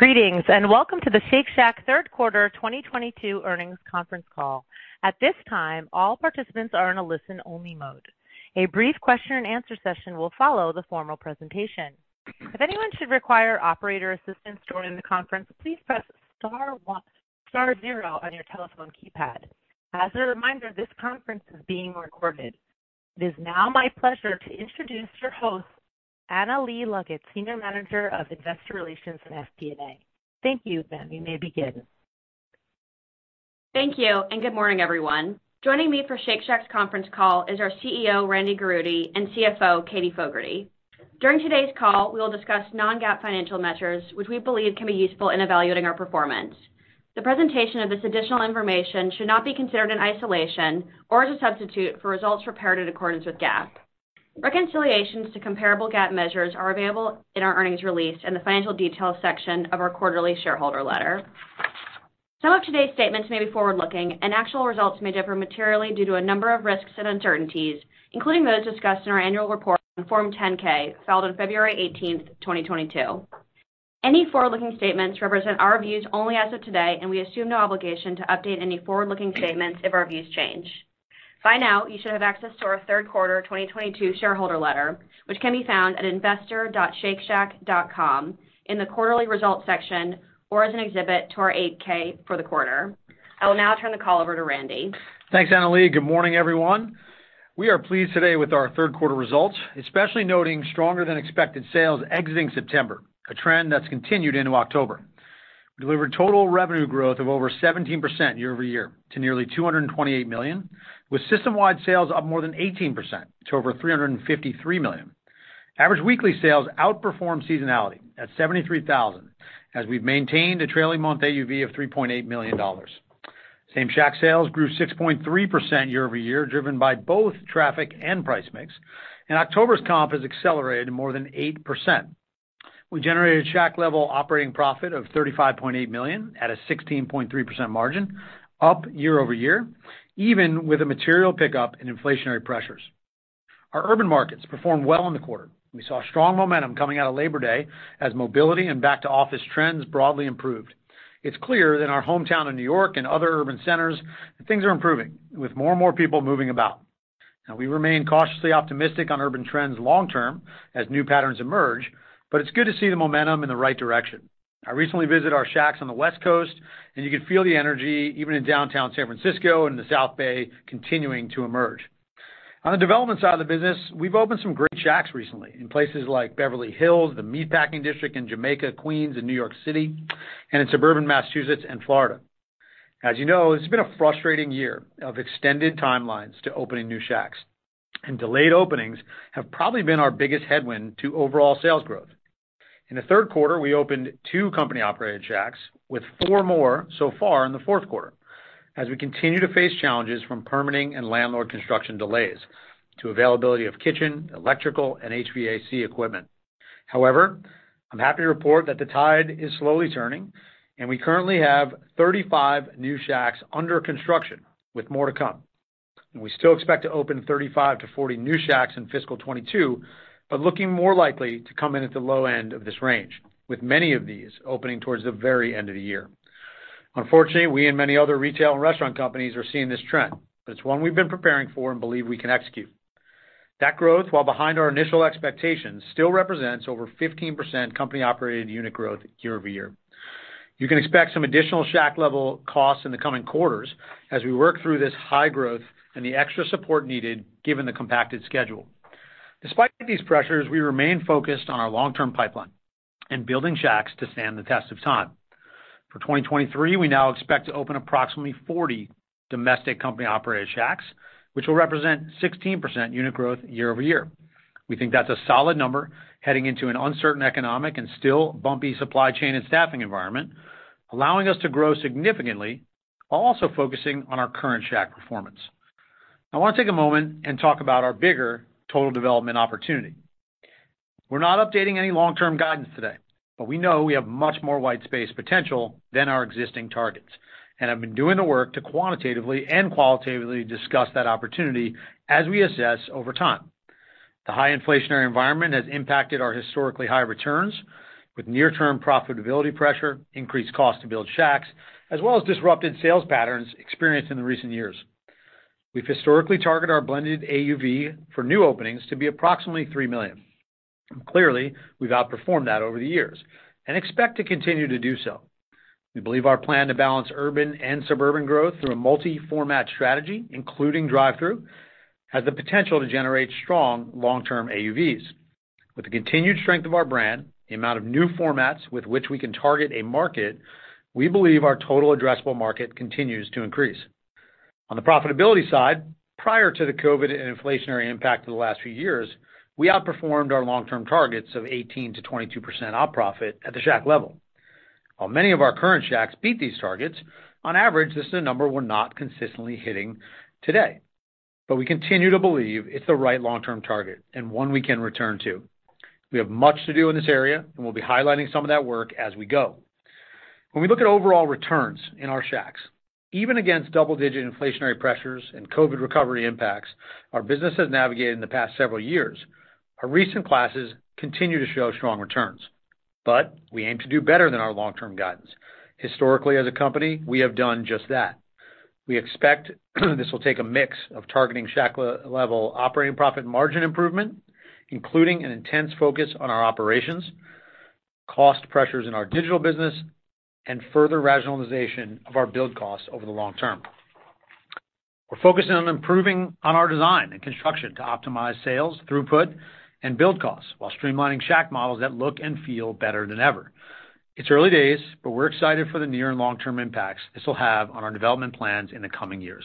Greetings, and welcome to the Shake Shack third quarter 2022 earnings conference call. At this time, all participants are in a listen-only mode. A brief question-and-answer session will follow the formal presentation. If anyone should require operator assistance during the conference, please press Star one, Star zero on your telephone keypad. As a reminder, this conference is being recorded. It is now my pleasure to introduce your host, Annalee Leggett, Senior Manager of Investor Relations & FP&A. Thank you. Ma'am, you may begin. Thank you, and good morning, everyone. Joining me for Shake Shack's conference call is our CEO, Randy Garutti, and CFO, Katie Fogertey. During today's call, we will discuss non-GAAP financial measures which we believe can be useful in evaluating our performance. The presentation of this additional information should not be considered in isolation or as a substitute for results prepared in accordance with GAAP. Reconciliations to comparable GAAP measures are available in our earnings release in the financial details section of our quarterly shareholder letter. Some of today's statements may be forward-looking and actual results may differ materially due to a number of risks and uncertainties, including those discussed in our Annual Report on Form 10-K, filed on February 18th, 2022. Any forward-looking statements represent our views only as of today, and we assume no obligation to update any forward-looking statements if our views change. By now, you should have access to our third quarter 2022 shareholder letter, which can be found at investor.shakeshack.com in the quarterly results section or as an exhibit to our 8-K for the quarter. I will now turn the call over to Randy. Thanks, Annalee. Good morning, everyone. We are pleased today with our third quarter results, especially noting stronger than expected sales exiting September, a trend that's continued into October. We delivered total revenue growth of over 17% year-over-year to nearly $228 million, with system-wide sales up more than 18% to over $353 million. Average weekly sales outperformed seasonality at $73,000 as we've maintained a trailing month AUV of $3.8 million. Same-Shack sales grew 6.3% year-over-year, driven by both traffic and price mix. October's comp has accelerated more than 8%. We generated Shack-level operating profit of $35.8 million at a 16.3% margin, up year-over-year, even with a material pickup in inflationary pressures. Our Urban Markets performed well in the quarter. We saw strong momentum coming out of Labor Day as mobility and back to office trends broadly improved. It's clear that in our hometown in New York and other urban centers things are improving, with more and more people moving about. Now, we remain cautiously optimistic on urban trends long-term as new patterns emerge, but it's good to see the momentum in the right direction. I recently visited our Shacks on the West Coast, and you could feel the energy even in downtown San Francisco and in the South Bay continuing to emerge. On the development side of the business, we've opened some great Shacks recently in places like Beverly Hills, the Meatpacking District in Jamaica, Queens, and New York City, and in suburban Massachusetts and Florida. As you know, it's been a frustrating year of extended timelines to opening new Shacks, and delayed openings have probably been our biggest headwind to overall sales growth. In the third quarter, we opened two company-operated Shacks with four more so far in the fourth quarter as we continue to face challenges from permitting and landlord construction delays to availability of kitchen, electrical, and HVAC equipment. However, I'm happy to report that the tide is slowly turning and we currently have 35 new Shacks under construction with more to come. We still expect to open 35-40 new Shacks in fiscal 2022, but looking more likely to come in at the low end of this range, with many of these opening towards the very end of the year. Unfortunately, we and many other retail and restaurant companies are seeing this trend, but it's one we've been preparing for and believe we can execute. That growth, while behind our initial expectations, still represents over 15% company-operated unit growth year-over-year. You can expect some additional Shack-level costs in the coming quarters as we work through this high growth and the extra support needed given the compacted schedule. Despite these pressures, we remain focused on our long-term pipeline and building Shacks to stand the test of time. For 2023, we now expect to open approximately 40 domestic company-operated Shacks, which will represent 16% unit growth year-over-year. We think that's a solid number heading into an uncertain economic and still bumpy supply chain and staffing environment, allowing us to grow significantly while also focusing on our current Shack performance. I want to take a moment and talk about our bigger total development opportunity. We're not updating any long-term guidance today, but we know we have much more white space potential than our existing targets and have been doing the work to quantitatively and qualitatively discuss that opportunity as we assess over time. The high inflationary environment has impacted our historically high returns with near-term profitability pressure, increased cost to build Shacks, as well as disrupted sales patterns experienced in the recent years. We've historically targeted our blended AUV for new openings to be approximately $3 million. Clearly, we've outperformed that over the years and expect to continue to do so. We believe our plan to balance urban and suburban growth through a multi-format strategy, including drive-thru, has the potential to generate strong long-term AUVs. With the continued strength of our brand, the amount of new formats with which we can target a market, we believe our total addressable market continues to increase. On the profitability side, prior to the COVID and inflationary impact of the last few years, we outperformed our long-term targets of 18%-22% op profit at the Shack-level. While many of our current Shacks beat these targets, on average, this is a number we're not consistently hitting today. We continue to believe it's the right long-term target and one we can return to. We have much to do in this area, and we'll be highlighting some of that work as we go. When we look at overall returns in our Shacks, even against double-digit inflationary pressures and COVID recovery impacts, our business has navigated in the past several years. Our recent classes continue to show strong returns, but we aim to do better than our long-term guidance. Historically, as a company, we have done just that. We expect this will take a mix of targeting Shack-level operating profit margin improvement, including an intense focus on our operations, cost pressures in our digital business, and further rationalization of our build costs over the long-term. We're focusing on improving on our design and construction to optimize sales, throughput, and build costs while streamlining Shack models that look and feel better than ever. It's early days, but we're excited for the near and long-term impacts this will have on our development plans in the coming years.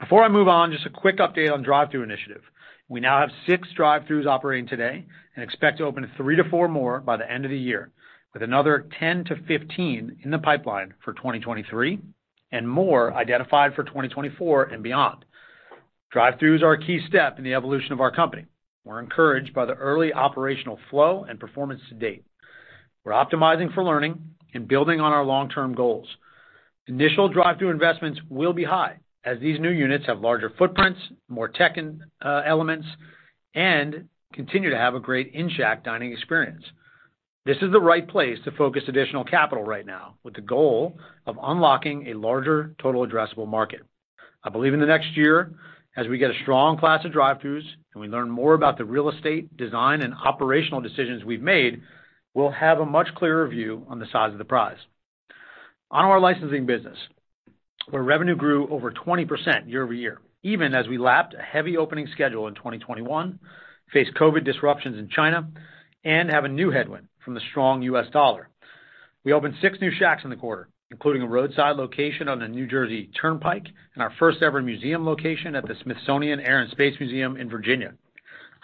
Before I move on, just a quick update on drive-thru initiative. We now have 6 drive-thrus operating today and expect to open 3-4 more by the end of the year, with another 10-15 in the pipeline for 2023 and more identified for 2024 and beyond. Drive-thru is our key step in the evolution of our company. We're encouraged by the early operational flow and performance to date. We're optimizing for learning and building on our long-term goals. Initial drive-thru investments will be high as these new units have larger footprints, more tech and elements, and continue to have a great in-Shack dining experience. This is the right place to focus additional capital right now with the goal of unlocking a larger total addressable market. I believe in the next year, as we get a strong class of drive-thrus and we learn more about the real estate design and operational decisions we've made, we'll have a much clearer view on the size of the prize. On our licensing business, where revenue grew over 20% year-over-year, even as we lapped a heavy opening schedule in 2021, faced COVID disruptions in China, and have a new headwind from the strong U.S. dollar. We opened 6 new Shacks in the quarter, including a roadside location on the New Jersey Turnpike and our first-ever museum location at the Smithsonian Air and Space Museum in Virginia.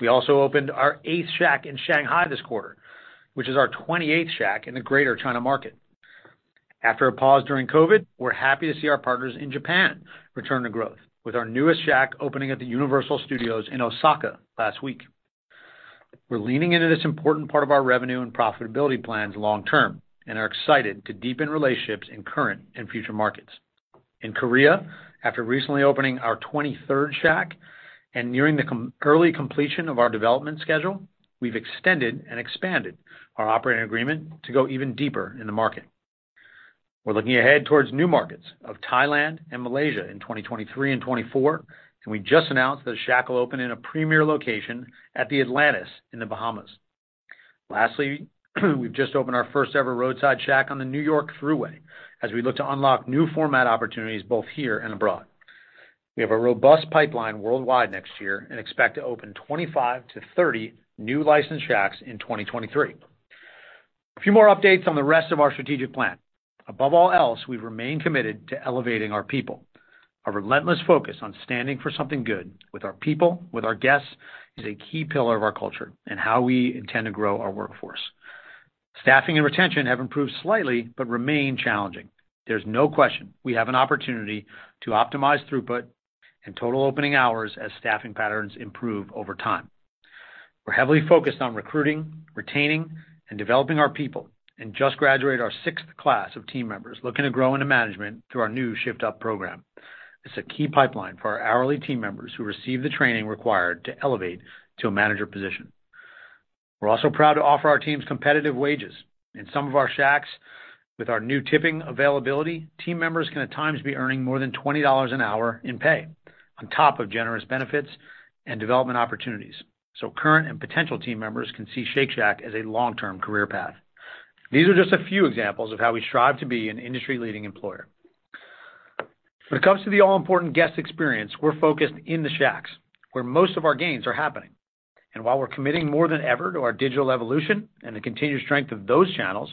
We also opened our 8th Shack in Shanghai this quarter, which is our 28th Shack in the Greater China market. After a pause during COVID, we're happy to see our partners in Japan return to growth with our newest Shack opening at the Universal Studios in Osaka last week. We're leaning into this important part of our revenue and profitability plans long term and are excited to deepen relationships in current and future markets. In Korea, after recently opening our 23rd Shack and nearing the early completion of our development schedule, we've extended and expanded our operating agreement to go even deeper in the market. We're looking ahead towards new markets of Thailand and Malaysia in 2023 and 2024, and we just announced that a Shack will open in a premier location at the Atlantis in the Bahamas. Lastly, we've just opened our first-ever roadside Shack on the New York Thruway as we look to unlock new format opportunities both here and abroad. We have a robust pipeline worldwide next year and expect to open 25-30 new licensed Shacks in 2023. A few more updates on the rest of our strategic plan. Above all else, we remain committed to elevating our people. Our relentless focus on standing for something good with our people, with our guests, is a key pillar of our culture and how we intend to grow our workforce. Staffing and retention have improved slightly but remain challenging. There's no question we have an opportunity to optimize throughput and total opening hours as staffing patterns improve over time. We're heavily focused on recruiting, retaining, and developing our people and just graduated our sixth class of team members looking to grow into management through our new Shift Up program. It's a key pipeline for our hourly team members who receive the training required to elevate to a manager position. We're also proud to offer our teams competitive wages. In some of our Shacks, with our new tipping availability, team members can at times be earning more than $20 an hour in pay on top of generous benefits and development opportunities, so current and potential team members can see Shake Shack as a long-term career path. These are just a few examples of how we strive to be an industry-leading employer. When it comes to the all-important guest experience, we're focused in the Shacks, where most of our gains are happening. While we're committing more than ever to our digital evolution and the continued strength of those channels,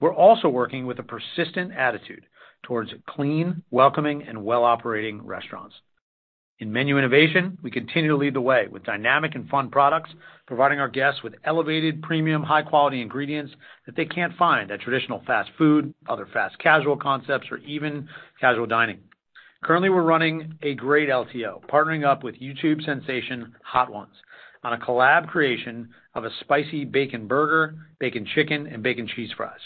we're also working with a persistent attitude towards clean, welcoming, and well-operating restaurants. In menu innovation, we continue to lead the way with dynamic and fun products, providing our guests with elevated premium high-quality ingredients that they can't find at traditional fast food, other fast casual concepts, or even casual dining. Currently, we're running a great LTO, partnering up with YouTube sensation Hot Ones on a collab creation of a spicy bacon burger, bacon chicken, and bacon cheese fries.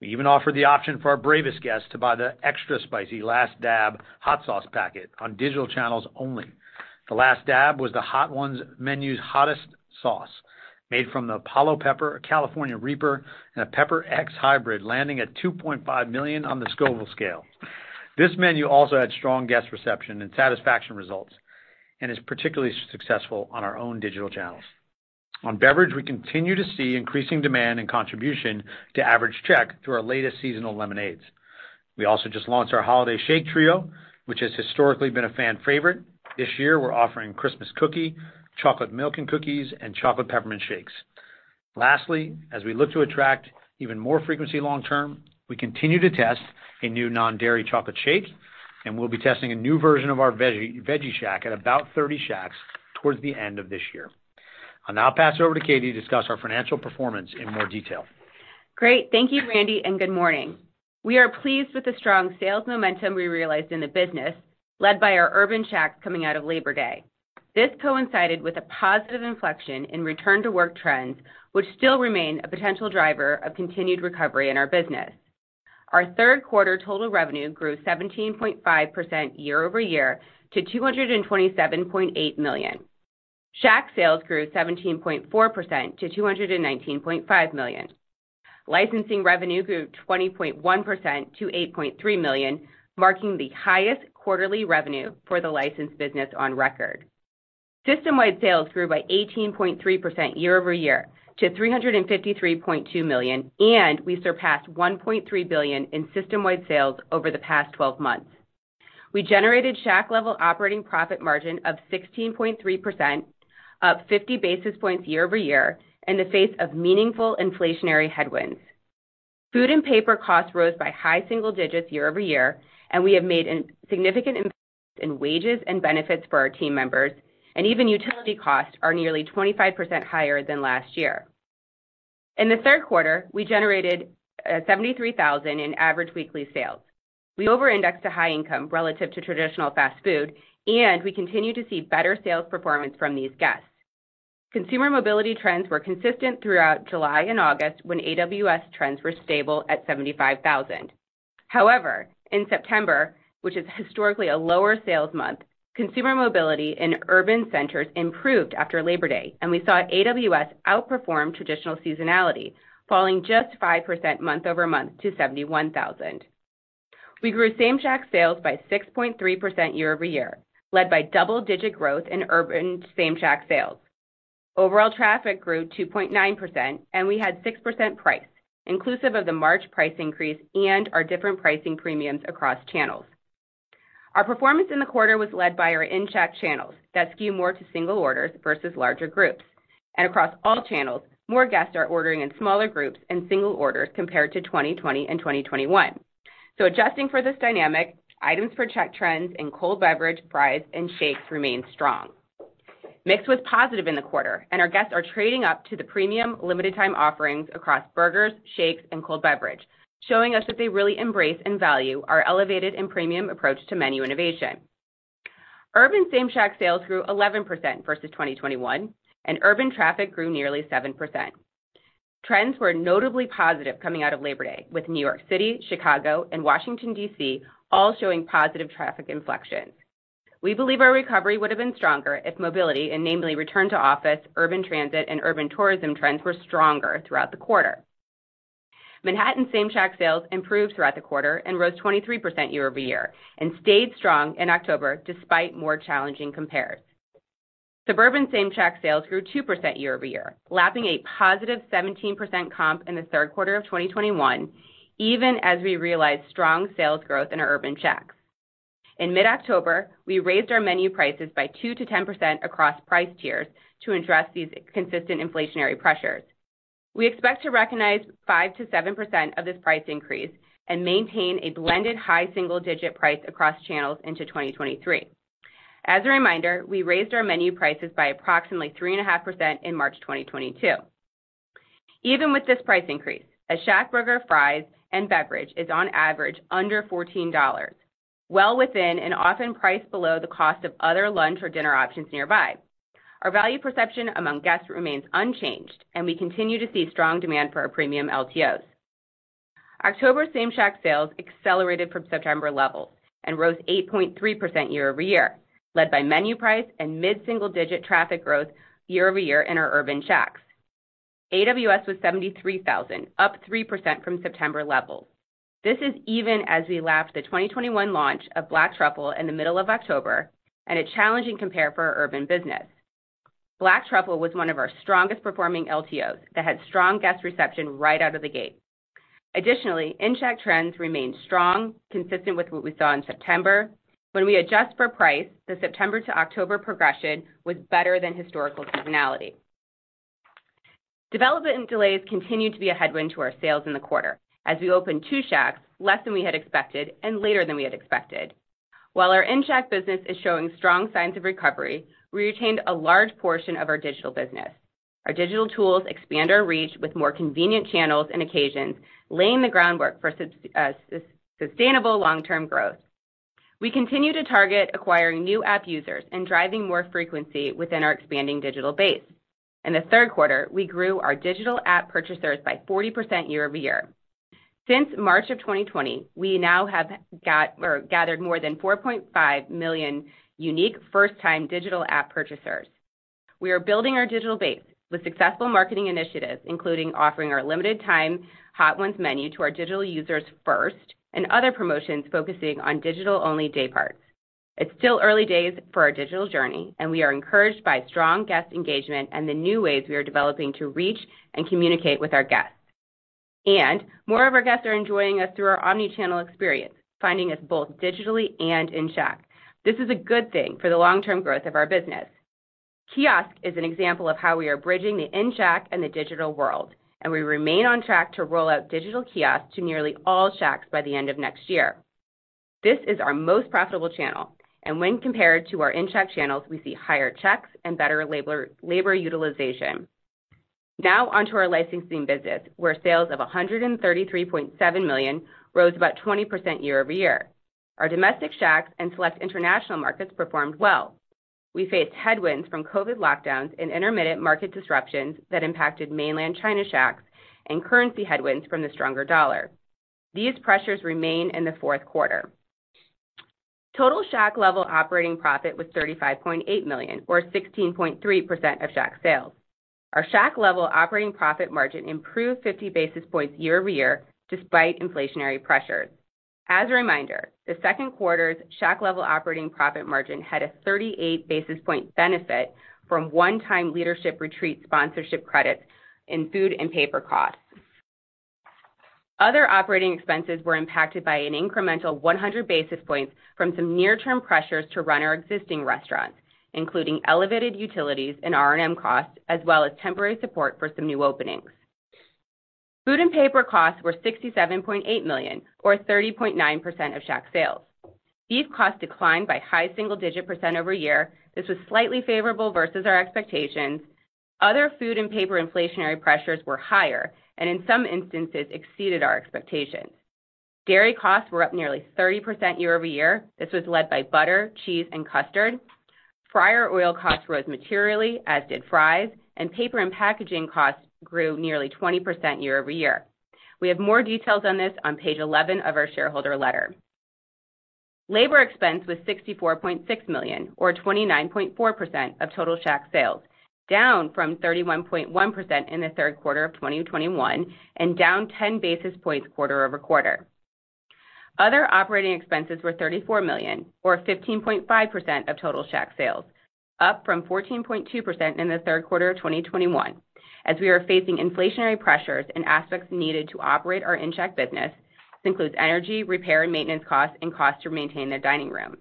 We even offer the option for our bravest guests to buy the extra spicy Last Dab hot sauce packet on digital channels only. The Last Dab was the Hot Ones menu's hottest sauce, made from the Apollo Pepper, a Carolina Reaper, and a Pepper X hybrid, landing at 2.5 million on the Scoville scale. This menu also had strong guest reception and satisfaction results and is particularly successful on our own digital channels. On beverage, we continue to see increasing demand and contribution to average check through our latest seasonal lemonades. We also just launched our holiday shake trio, which has historically been a fan favorite. This year, we're offering Christmas cookie, chocolate milk and cookies, and chocolate peppermint shakes. Lastly, as we look to attract even more frequency long term, we continue to test a new non-dairy chocolate shake, and we'll be testing a new version of our Veggie Shack at about 30 Shacks towards the end of this year. I'll now pass it over to Katie to discuss our financial performance in more detail. Great. Thank you, Randy, and good morning. We are pleased with the strong sales momentum we realized in the business, led by our urban Shacks coming out of Labor Day. This coincided with a positive inflection in Return to Work trends, which still remain a potential driver of continued recovery in our business. Our third quarter total revenue grew 17.5% year-over-year to $227.8 million. Shack sales grew 17.4% to $219.5 million. Licensing revenue grew 20.1% to $8.3 million, marking the highest quarterly revenue for the license business on record. System-wide sales grew by 18.3% year-over-year to $353.2 million, and we surpassed $1.3 billion in system-wide sales over the past twelve months. We generated Shack-level operating profit margin of 16.3%, up 50 basis points year-over-year in the face of meaningful inflationary headwinds. Food and Paper costs rose by high single digits year-over-year, and we have made significant improvements in wages and benefits for our team members, and even utility costs are nearly 25% higher than last year. In the third quarter, we generated $73,000 in average weekly sales. We over-index to high income relative to traditional fast food, and we continue to see better sales performance from these guests. Consumer mobility trends were consistent throughout July and August, when AUV trends were stable at $75,000. However, in September, which is historically a lower sales month, consumer mobility in urban centers improved after Labor Day, and we saw AWS outperform traditional seasonality, falling just 5% month-over-month to $71,000. We grew Same-Shack sales by 6.3% year-over-year, led by double-digit growth in urban Same-Shack sales. Overall traffic grew 2.9%, and we had 6% price, inclusive of the March price increase and our different pricing premiums across channels. Our performance in the quarter was led by our in-Shack channels that skew more to single orders versus larger groups. Across all channels, more guests are ordering in smaller groups and single orders compared to 2020 and 2021. Adjusting for this dynamic, items per check trends in cold beverage, fries, and shakes remain strong. Mix was positive in the quarter, and our guests are trading up to the premium limited time offerings across burgers, shakes, and cold beverage, showing us that they really embrace and value our elevated and premium approach to menu innovation. Urban Same-Shack sales grew 11% versus 2021, and urban traffic grew nearly 7%. Trends were notably positive coming out of Labor Day, with New York City, Chicago, and Washington, D.C. all showing positive traffic inflection. We believe our recovery would have been stronger if mobility, and namely Return to Office, urban transit, and urban tourism trends were stronger throughout the quarter. Manhattan Same-Shack sales improved throughout the quarter and rose 23% year-over-year and stayed strong in October despite more challenging compares. Suburban Same-Shack sales grew 2% year-over-year, lapping a positive 17% comp in the third quarter of 2021, even as we realized strong sales growth in our urban Shacks. In mid-October, we raised our menu prices by 2%-10% across price tiers to address these consistent inflationary pressures. We expect to recognize 5%-7% of this price increase and maintain a blended high single-digit price across channels into 2023. As a reminder, we raised our menu prices by approximately 3.5% in March 2022. Even with this price increase, a ShackBurger, fries, and beverage is on average under $14, well within and often priced below the cost of other lunch or dinner options nearby. Our value perception among guests remains unchanged, and we continue to see strong demand for our premium LTOs. October Same-Shack sales accelerated from September levels and rose 8.3% year-over-year, led by menu price and mid-single-digit traffic growth year-over-year in our urban Shacks. AWS was 73,000, up 3% from September levels. This is even as we lapped the 2021 launch of Black Truffle in the middle of October and a challenging compare for our urban business. Black Truffle was one of our strongest performing LTOs that had strong guest reception right out of the gate. Additionally, in-Shack trends remained strong, consistent with what we saw in September. When we adjust for price, the September to October progression was better than historical seasonality. Development delays continued to be a headwind to our sales in the quarter as we opened two Shacks, less than we had expected and later than we had expected. While our in-Shack business is showing strong signs of recovery, we retained a large portion of our digital business. Our Digital tools expand our reach with more convenient channels and occasions, laying the groundwork for sustainable long-term growth. We continue to target acquiring new app users and driving more frequency within our expanding digital base. In the third quarter, we grew our Digital app purchasers by 40% year over year. Since March of 2020, we now have gathered more than 4.5 million unique first-time digital app purchasers. We are building our digital base with successful marketing initiatives, including offering our limited time Hot Ones menu to our digital users first and other promotions focusing on digital-only day parts. It's still early days for our digital journey, and we are encouraged by strong guest engagement and the new ways we are developing to reach and communicate with our guests. More of our guests are enjoying us through our omni-channel experience, finding us both digitally and in-Shack. This is a good thing for the long-term growth of our business. Kiosk is an example of how we are bridging the in-Shack and the digital world, and we remain on track to roll out digital kiosks to nearly all Shacks by the end of next year. This is our most profitable channel, and when compared to our in-Shack channels, we see higher checks and better labor utilization. Now on to our licensing business, where sales of $133.7 million rose about 20% year-over-year. Our domestic Shacks and select international markets performed well. We faced headwinds from COVID lockdowns and intermittent market disruptions that impacted mainland China Shacks and currency headwinds from the stronger dollar. These pressures remain in the fourth quarter. Total Shack-level operating profit was $35.8 million, or 16.3% of Shack sales. Our Shack-level operating profit margin improved 50 basis points year-over-year despite inflationary pressures. As a reminder, the second quarter's Shack-level operating profit margin had a 38 basis point benefit from one-time leadership retreat sponsorship credits in Food and paper costs. Other operating expenses were impacted by an incremental 100 basis points from some near-term pressures to run our existing restaurants, including elevated utilities and R&M costs, as well as temporary support for some new openings. Food and paper costs were $67.8 million, or 30.9% of Shack sales. These costs declined by high single-digit percent over year. This was slightly favorable versus our expectations. Other food an Paper inflationary pressures were higher, and in some instances exceeded our expectations. Dairy costs were up nearly 30% year-over-year. This was led by butter, cheese, and custard. Fryer oil costs rose materially, as did fries, and paper and packaging costs grew nearly 20% year-over-year. We have more details on this on Page 11 of our shareholder letter. Labor expense was $64.6 million, or 29.4% of total Shack sales, down from 31.1% in the third quarter of 2021, and down 10 basis points quarter-over-quarter. Other operating expenses were $34 million, or 15.5% of total Shack sales, up from 14.2% in the third quarter of 2021, as we are facing inflationary pressures in aspects needed to operate our in-Shack business. This includes energy, repair and maintenance costs, and costs to maintain the dining room.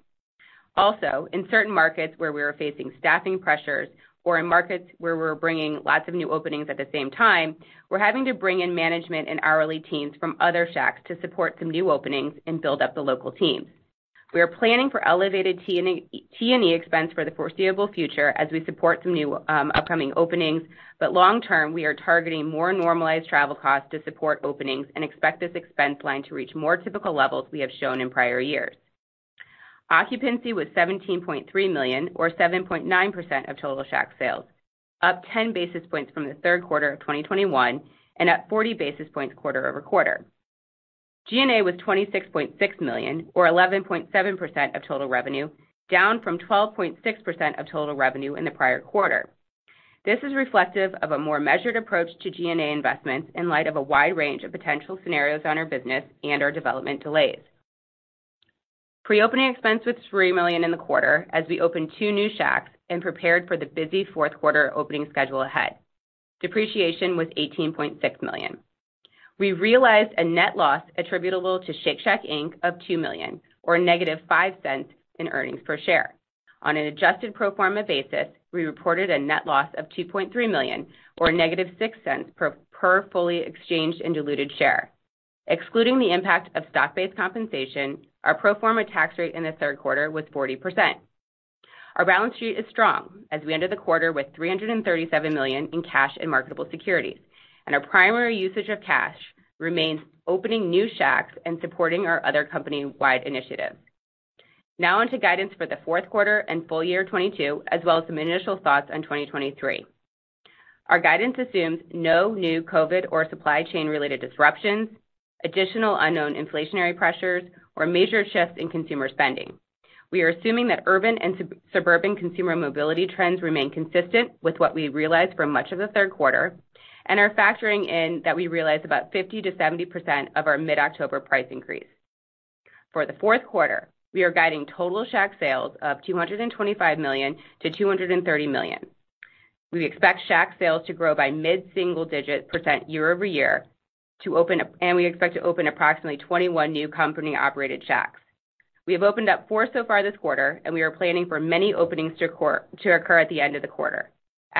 Also, in certain markets where we are facing staffing pressures or in markets where we're bringing lots of new openings at the same time, we're having to bring in management and hourly teams from other Shacks to support some new openings and build up the local teams. We are planning for elevated T&E expense for the foreseeable future as we support some new, upcoming openings, but long term, we are targeting more normalized travel costs to support openings and expect this expense line to reach more typical levels we have shown in prior years. Occupancy was $17.3 million or 7.9% of total Shack sales, up 10 basis points from the third quarter of 2021 and up 40 basis points quarter-over-quarter. G&A was $26.6 million or 11.7% of total revenue, down from 12.6% of total revenue in the prior quarter. This is reflective of a more measured approach to G&A investments in light of a wide range of potential scenarios on our business and our development delays. Pre-opening expense was $3 million in the quarter as we opened 2 new Shacks and prepared for the busy fourth quarter opening schedule ahead. Depreciation was $18.6 million. We realized a net loss attributable to Shake Shack Inc. of $2 million or -5 cents in earnings per share. On an adjusted pro forma basis, we reported a net loss of $2.3 million or -6 cents per fully exchanged and diluted share. Excluding the impact of stock-based compensation, our pro forma tax rate in the third quarter was 40%. Our balance sheet is strong as we ended the quarter with $337 million in cash and marketable securities, and our primary usage of cash remains opening new Shacks and supporting our other company-wide initiatives. Now on to guidance for the fourth quarter and full-year 2022, as well as some initial thoughts on 2023. Our guidance assumes no new COVID or supply-chain-related disruptions, additional unknown inflationary pressures or major shifts in consumer spending. We are assuming that urban and suburban consumer mobility trends remain consistent with what we realized for much of the third quarter and are factoring in that we realized about 50%-70% of our mid-October price increase. For the fourth quarter, we are guiding total Shack sales of $225 million-$230 million. We expect Shack sales to grow by mid-single-digit percent year-over-year, and we expect to open approximately 21 new company-operated Shacks. We have opened up four so far this quarter, and we are planning for many openings to occur at the end of the quarter.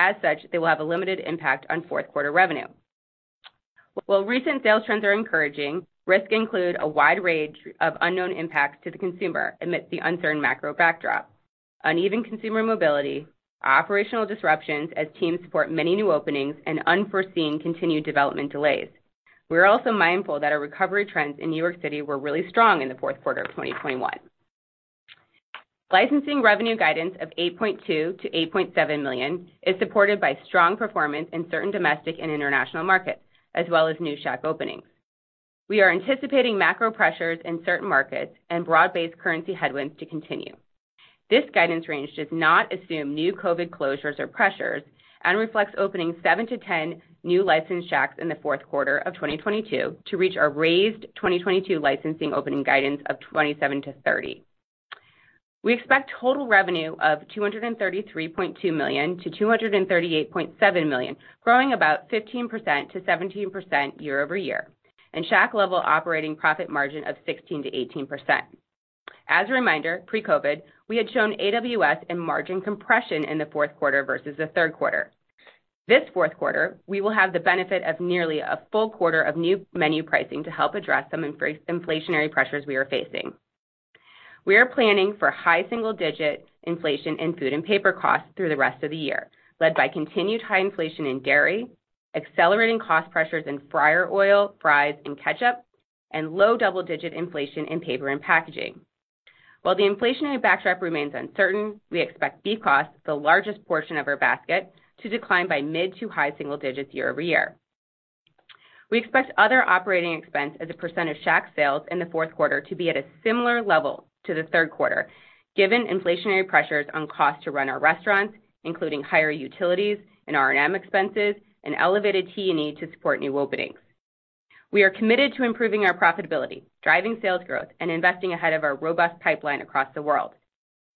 As such, they will have a limited impact on fourth quarter revenue. While recent sales trends are encouraging, risks include a wide range of unknown impacts to the consumer amidst the uncertain macro backdrop, uneven consumer mobility, operational disruptions as teams support many new openings, and unforeseen continued development delays. We are also mindful that our recovery trends in New York City were really strong in the fourth quarter of 2021. Licensing revenue guidance of $8.2 million-$8.7 million is supported by strong performance in certain domestic and international markets, as well as new Shack openings. We are anticipating macro pressures in certain markets and broad-based currency headwinds to continue. This guidance range does not assume new COVID closures or pressures and reflects opening 7-10 new licensed Shacks in the fourth quarter of 2022 to reach our raised 2022 licensing opening guidance of 27-30. We expect total revenue of $233.2 million-$238.7 million, growing about 15%-17% year-over-year, and Shack-level operating profit margin of 16%-18%. As a reminder, pre-COVID, we had shown AWS and margin compression in the fourth quarter versus the third quarter. This fourth quarter, we will have the benefit of nearly a full quarter of new menu pricing to help address some inflationary pressures we are facing. We are planning for high single-digit inflation in food and paper costs through the rest of the year, led by continued high inflation in dairy, accelerating cost pressures in fryer oil, fries and ketchup, and low double-digit inflation in paper and packaging. While the inflationary backdrop remains uncertain, we expect beef costs, the largest portion of our basket, to decline by mid to high single-digits year-over-year. We expect other operating expense as a percent of Shack sales in the fourth quarter to be at a similar level to the third quarter, given inflationary pressures on cost to run our restaurants, including higher utilities and R&M expenses and elevated T&E to support new openings. We are committed to improving our profitability, driving sales growth, and investing ahead of our robust pipeline across the world.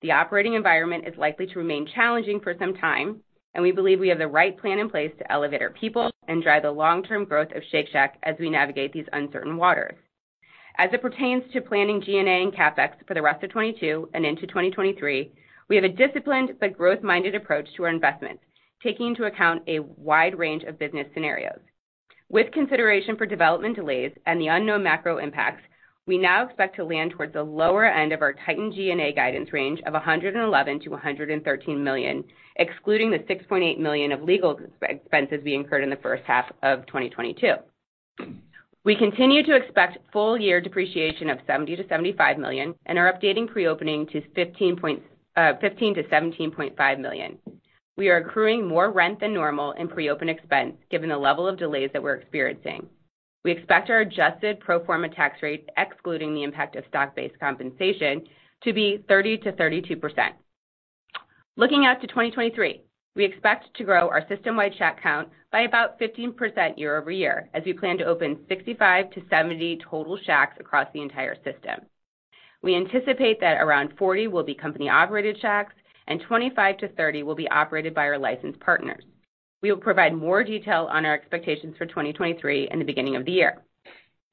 The operating environment is likely to remain challenging for some time, and we believe we have the right plan in place to elevate our people and drive the long-term growth of Shake Shack as we navigate these uncertain waters. As it pertains to planning G&A and CapEx for the rest of 2022 and into 2023, we have a disciplined but growth-minded approach to our investments, taking into account a wide range of business scenarios. With consideration for development delays and the unknown macro impacts, we now expect to land towards the lower end of our tightened G&A guidance range of $111 million-$113 million, excluding the $6.8 million of legal expenses we incurred in the first half of 2022. We continue to expect full-year depreciation of $70 million-$75 million and are updating pre-opening to $15 million-$17.5 million. We are accruing more rent than normal in pre-open expense given the level of delays that we're experiencing. We expect our adjusted pro forma tax rate, excluding the impact of stock-based compensation, to be 30%-32%. Looking out to 2023, we expect to grow our system-wide Shack count by about 15% year-over-year, as we plan to open 65-70 total Shacks across the entire system. We anticipate that around 40 will be company-operated Shacks and 25-30 will be operated by our licensed partners. We will provide more detail on our expectations for 2023 in the beginning of the year.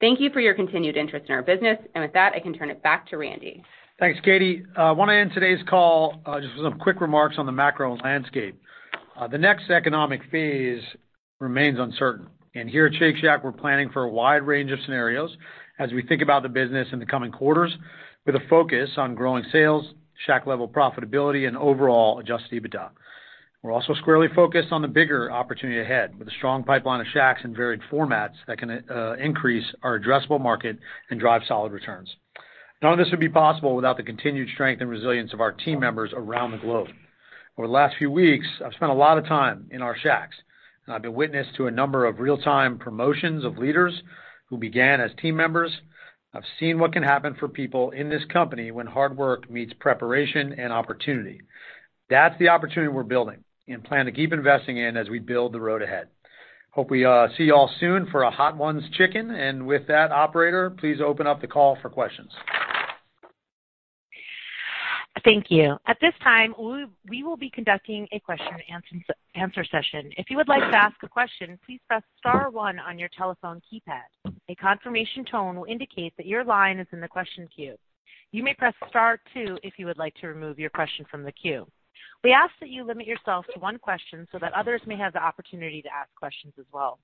Thank you for your continued interest in our business. With that, I can turn it back to Randy. Thanks, Katie. I want to end today's call just with some quick remarks on the macro landscape. The next economic phase remains uncertain, and here at Shake Shack, we're planning for a wide range of scenarios as we think about the business in the coming quarters with a focus on growing sales, Shack-level profitability, and overall adjusted EBITDA. We're also squarely focused on the bigger opportunity ahead with a strong pipeline of Shacks and varied formats that can increase our addressable market and drive solid returns. None of this would be possible without the continued strength and resilience of our team members around the globe. Over the last few weeks, I've spent a lot of time in our Shacks, and I've been witness to a number of real-time promotions of leaders who began as team members. I've seen what can happen for people in this company when hard work meets preparation and opportunity. That's the opportunity we're building and plan to keep investing in as we build the road ahead. Hope we see you all soon for a Hot Ones Chicken. With that, operator, please open up the call for questions. Thank you. At this time, we will be conducting a question-and-answer session. If you would like to ask a question, please press Star one on your telephone keypad. A confirmation tone will indicate that your line is in the question queue. You may press Star two if you would like to remove your question from the queue. We ask that you limit yourself to one question so that others may have the opportunity to ask questions as well.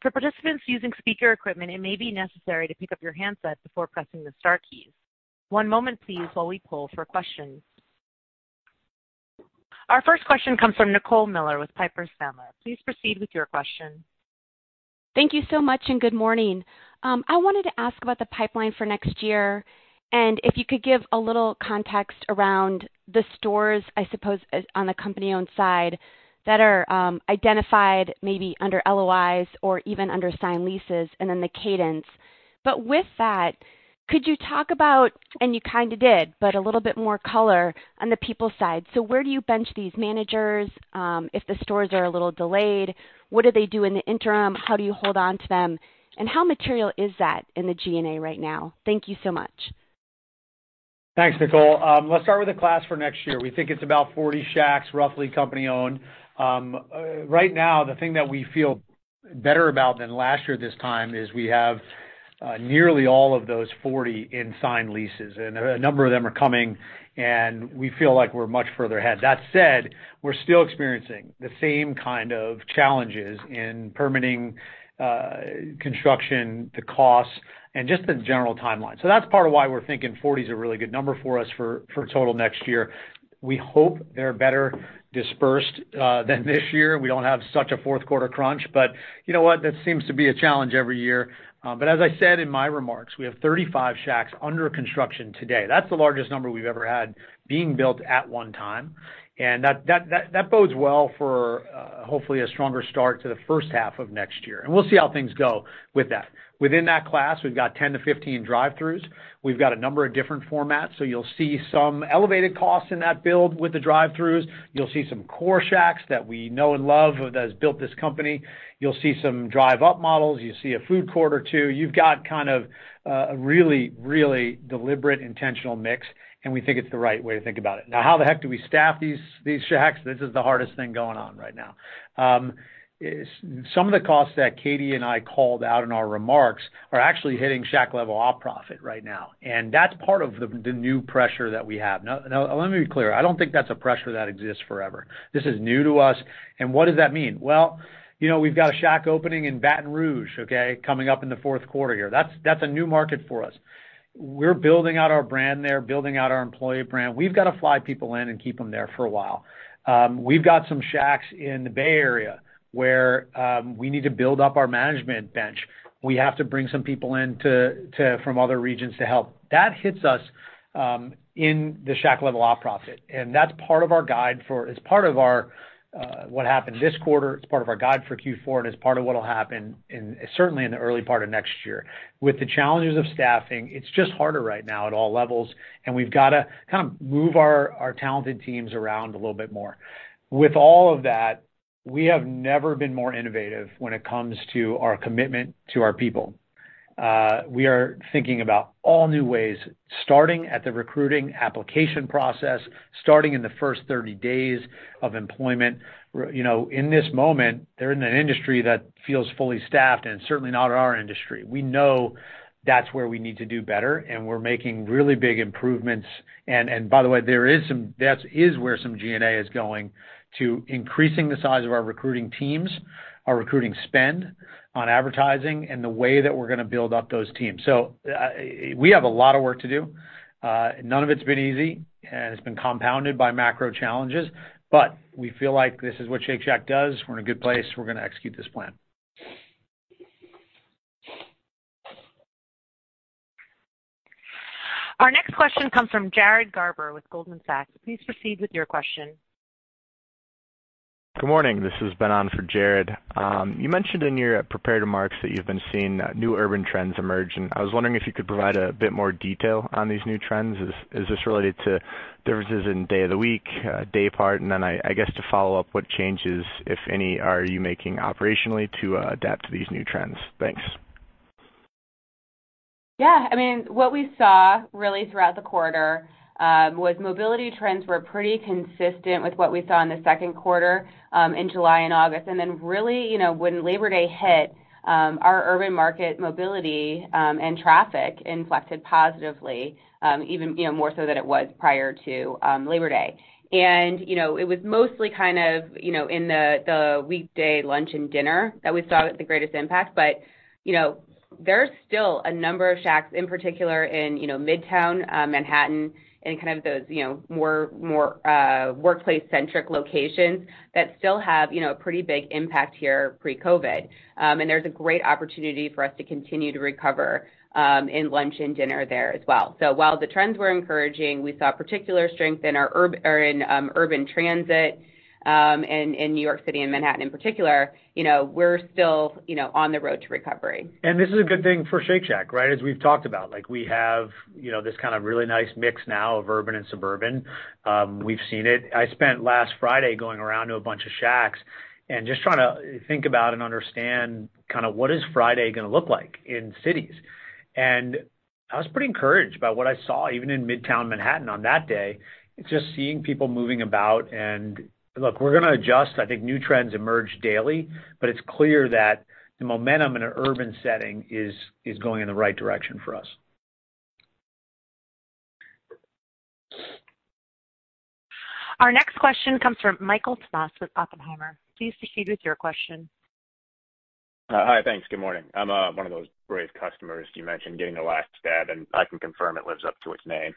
For participants using speaker equipment, it may be necessary to pick up your handset before pressing the star keys. One moment, please, while we poll for questions. Our first question comes from Nicole Miller with Piper Sandler. Please proceed with your question. Thank you so much. Good morning. I wanted to ask about the pipeline for next year, and if you could give a little context around the stores, I suppose, on the company-owned side that are identified maybe under LOIs or even under signed leases and then the cadence. With that, could you talk about, and you kind of did, but a little bit more color on the people side. Where do you bench these managers? If the stores are a little delayed, what do they do in the interim? How do you hold on to them? And how material is that in the G&A right now? Thank you so much. Thanks, Nicole. Let's start with the class for next year. We think it's about 40 Shacks, roughly company-owned. Right now, the thing that we feel better about than last year this time is we have nearly all of those 40 in signed leases, and a number of them are coming, and we feel like we're much further ahead. That said, we're still experiencing the same kind of challenges in permitting, construction, the costs, and just the general timeline. That's part of why we're thinking 40 is a really good number for us for total next year. We hope they're better dispersed than this year. We don't have such a fourth quarter crunch, but you know what? That seems to be a challenge every year. As I said in my remarks, we have 35 Shacks under construction today. That's the largest number we've ever had being built at one time. That bodes well for hopefully a stronger start to the first half of next year. We'll see how things go with that. Within that class, we've got 10-15 drive-throughs. We've got a number of different formats, so you'll see some elevated costs in that build with the drive-throughs. You'll see some core Shacks that we know and love that has built this company. You'll see some drive up models. You see a food court or two. You've got kind of a really deliberate, intentional mix, and we think it's the right way to think about it. Now, how the heck do we staff these Shacks? This is the hardest thing going on right now. Some of the costs that Katie and I called out in our remarks are actually hitting Shack-level op profit right now, and that's part of the new pressure that we have. Now let me be clear, I don't think that's a pressure that exists forever. This is new to us. What does that mean? Well, you know, we've got a Shack opening in Baton Rouge, okay, coming up in the fourth quarter here. That's a new market for us. We're building out our brand there, building out our employee brand. We've got to fly people in and keep them there for a while. We've got some Shacks in the Bay Area where we need to build up our management bench. We have to bring some people in from other regions to help. That hits us in the Shack-level operating profit. That's part of what happened this quarter, it's part of our guide for Q4, and it's part of what will happen in, certainly in the early part of next year. With the challenges of staffing, it's just harder right now at all levels, and we've got to kind of move our talented teams around a little bit more. With all of that, we have never been more innovative when it comes to our commitment to our people. We are thinking about all new ways, starting at the recruiting application process, starting in the first 30 days of employment. You know, in this moment, they're in an industry that feels fully staffed and certainly not our industry. We know that's where we need to do better and we're making really big improvements. By the way, that is where some G&A is going towards increasing the size of our recruiting teams, our recruiting spend on advertising and the way that we're going to build up those teams. We have a lot of work to do. None of it's been easy, and it's been compounded by macro challenges. We feel like this is what Shake Shack does. We're in a good place. We're gonna execute this plan. Our next question comes from Jared Garber with Goldman Sachs. Please proceed with your question. Good morning. This is Benon for Jared. You mentioned in your prepared remarks that you've been seeing new urban trends emerge, and I was wondering if you could provide a bit more detail on these new trends. Is this related to differences in day of the week, day part? I guess to follow-up, what changes, if any, are you making operationally to adapt to these new trends? Thanks. Yeah. I mean, what we saw really throughout the quarter was mobility trends were pretty consistent with what we saw in the second quarter in July and August. Then really, you know, when Labor Day hit, our urban market mobility and traffic inflected positively, even, you know, more so than it was prior to Labor Day. You know, it was mostly kind of, you know, in the weekday lunch and dinner that we saw the greatest impact. You know, there's still a number of Shacks, in particular in, you know, Midtown Manhattan and kind of those, you know, more workplace-centric locations that still have, you know, a pretty big impact here pre-COVID. There's a great opportunity for us to continue to recover in lunch and dinner there as well. While the trends were encouraging, we saw particular strength in our urban transit in New York City and Manhattan in particular. You know, we're still, you know, on the road to recovery. This is a good thing for Shake Shack, right? As we've talked about. Like, we have, you know, this kind of really nice mix now of urban and suburban. We've seen it. I spent last Friday going around to a bunch of Shacks and just trying to think about and understand kind of what is Friday gonna look like in cities. I was pretty encouraged by what I saw even in Midtown Manhattan on that day, just seeing people moving about. Look, we're gonna adjust. I think new trends emerge daily, but it's clear that the momentum in an urban setting is going in the right direction for us. Our next question comes from Michael Tamas with Oppenheimer. Please proceed with your question. Hi. Thanks. Good morning. I'm one of those brave customers you mentioned getting the Last Dab, and I can confirm it lives up to its name.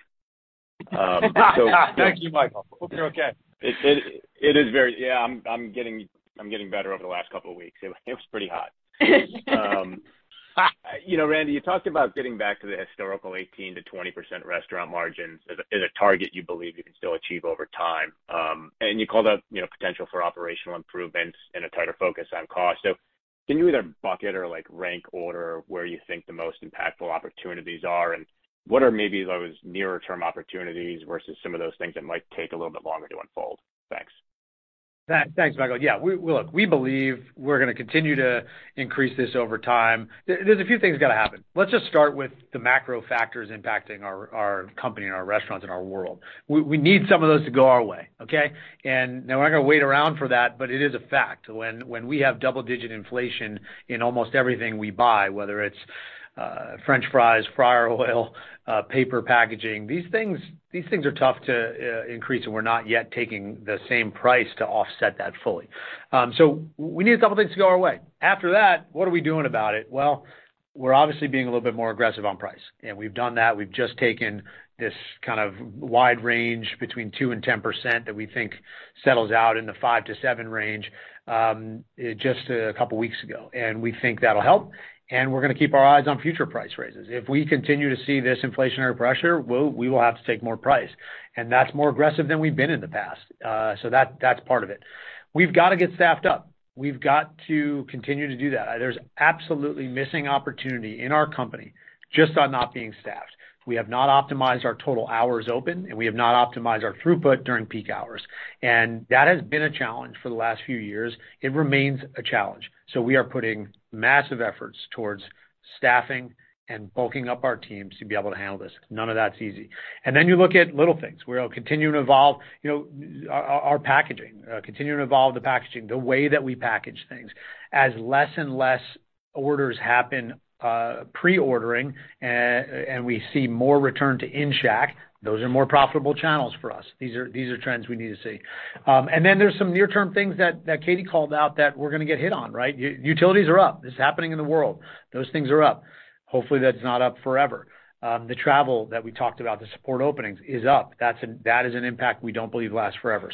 Thank you, Michael. Hope you're okay. It is very. I'm getting better over the last couple of weeks. It was pretty hot. You know, Randy, you talked about getting back to the historical 18%-20% restaurant margins as a target you believe you can still achieve over time. You called out, you know, potential for operational improvements and a tighter focus on cost. Can you either bucket or, like, rank order where you think the most impactful opportunities are and what are maybe those nearer-term opportunities versus some of those things that might take a little bit longer to unfold? Thanks. Thanks, Michael. Yeah, look, we believe we're gonna continue to increase this over time. There's a few things gonna happen. Let's just start with the macro factors impacting our company and our restaurants and our world. We need some of those to go our way, okay? Now we're not gonna wait around for that, but it is a fact. When we have double-digit inflation in almost everything we buy, whether it's French fries, fryer oil, paper packaging, these things are tough to increase, and we're not yet taking the same price to offset that fully. So we need a couple of things to go our way. After that, what are we doing about it? Well, we're obviously being a little bit more aggressive on price, and we've done that. We've just taken this kind of wide range between 2% and 10% that we think settles out in the 5%-7% range just a couple of weeks ago. We think that'll help. We're gonna keep our eyes on future price raises. If we continue to see this inflationary pressure, we will have to take more price. That's more aggressive than we've been in the past. So that's part of it. We've got to get staffed up. We've got to continue to do that. There's absolutely missing opportunity in our company just on not being staffed. We have not optimized our total hours open, and we have not optimized our throughput during peak hours. That has been a challenge for the last few years. It remains a challenge. We are putting massive efforts towards staffing and bulking up our teams to be able to handle this. None of that's easy. Then you look at little things. We're continuing to evolve, you know, our packaging. Continuing to evolve the packaging, the way that we package things. As less and less orders happen, pre-ordering and we see more return to in-Shack. Those are more profitable channels for us. These are trends we need to see. Then there's some near-term things that Katie called out that we're gonna get hit on, right? Utilities are up. This is happening in the world. Those things are up. Hopefully, that's not up forever. The travel that we talked about to support openings is up. That's an impact we don't believe lasts forever.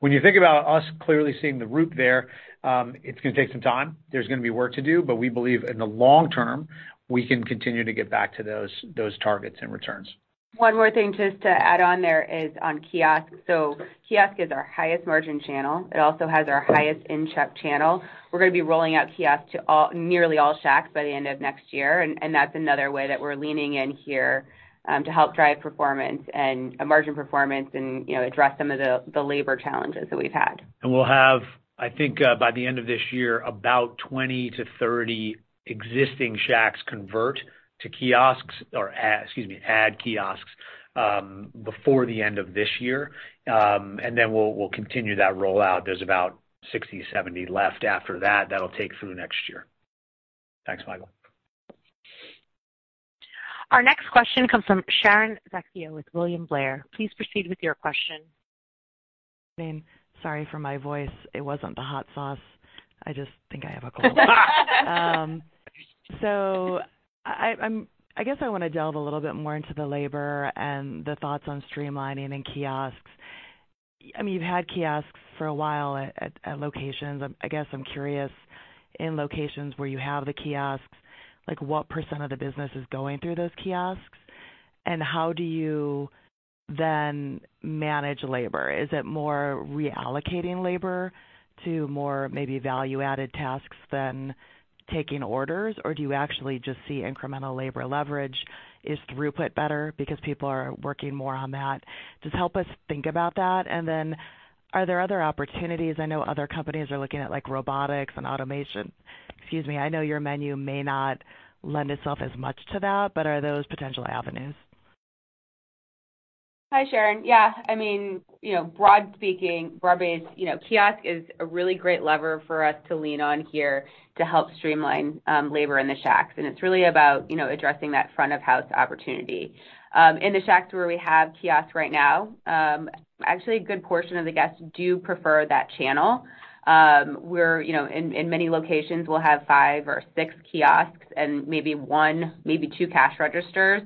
When you think about us clearly seeing the root there, it's gonna take some time. There's gonna be work to do, but we believe in the long term, we can continue to get back to those targets and returns. One more thing just to add on there is on kiosk. Kiosk is our highest margin channel. It also has our highest in-Shack channel. We're gonna be rolling out kiosks to nearly all Shacks by the end of next year, and that's another way that we're leaning in here to help drive performance and a margin performance and, you know, address some of the labor challenges that we've had. We'll have, I think, by the end of this year, about 20-30 existing Shacks convert to kiosks or excuse me, add kiosks, before the end of this year. Then we'll continue that rollout. There's about 60-70 left after that. That'll take through next year. Thanks, Michael. Our next question comes from Sharon Zackfia with William Blair. Please proceed with your question. Sorry for my voice. It wasn't the hot sauce. I just think I have a cold. I guess I wanna delve a little bit more into the labor and the thoughts on streamlining and kiosks. I mean, you've had kiosks for a while at locations. I guess I'm curious, in locations where you have the kiosks, like what percent of the business is going through those kiosks? How do you then manage labor? Is it more reallocating labor to more maybe value-added tasks than taking orders? Or do you actually just see incremental labor leverage? Is throughput better because people are working more on that? Just help us think about that. Then are there other opportunities? I know other companies are looking at, like, robotics and automation. Excuse me. I know your menu may not lend itself as much to that, but are those potential avenues? Hi, Sharon. Yeah, I mean, you know, broad-based, you know, kiosk is a really great lever for us to lean on here to help streamline labor in the Shacks. It's really about, you know, addressing that front of house opportunity. In the Shacks where we have kiosks right now, actually a good portion of the guests do prefer that channel. We're, you know, in many locations, we'll have 5 or 6 kiosks and maybe 1, maybe 2 cash registers.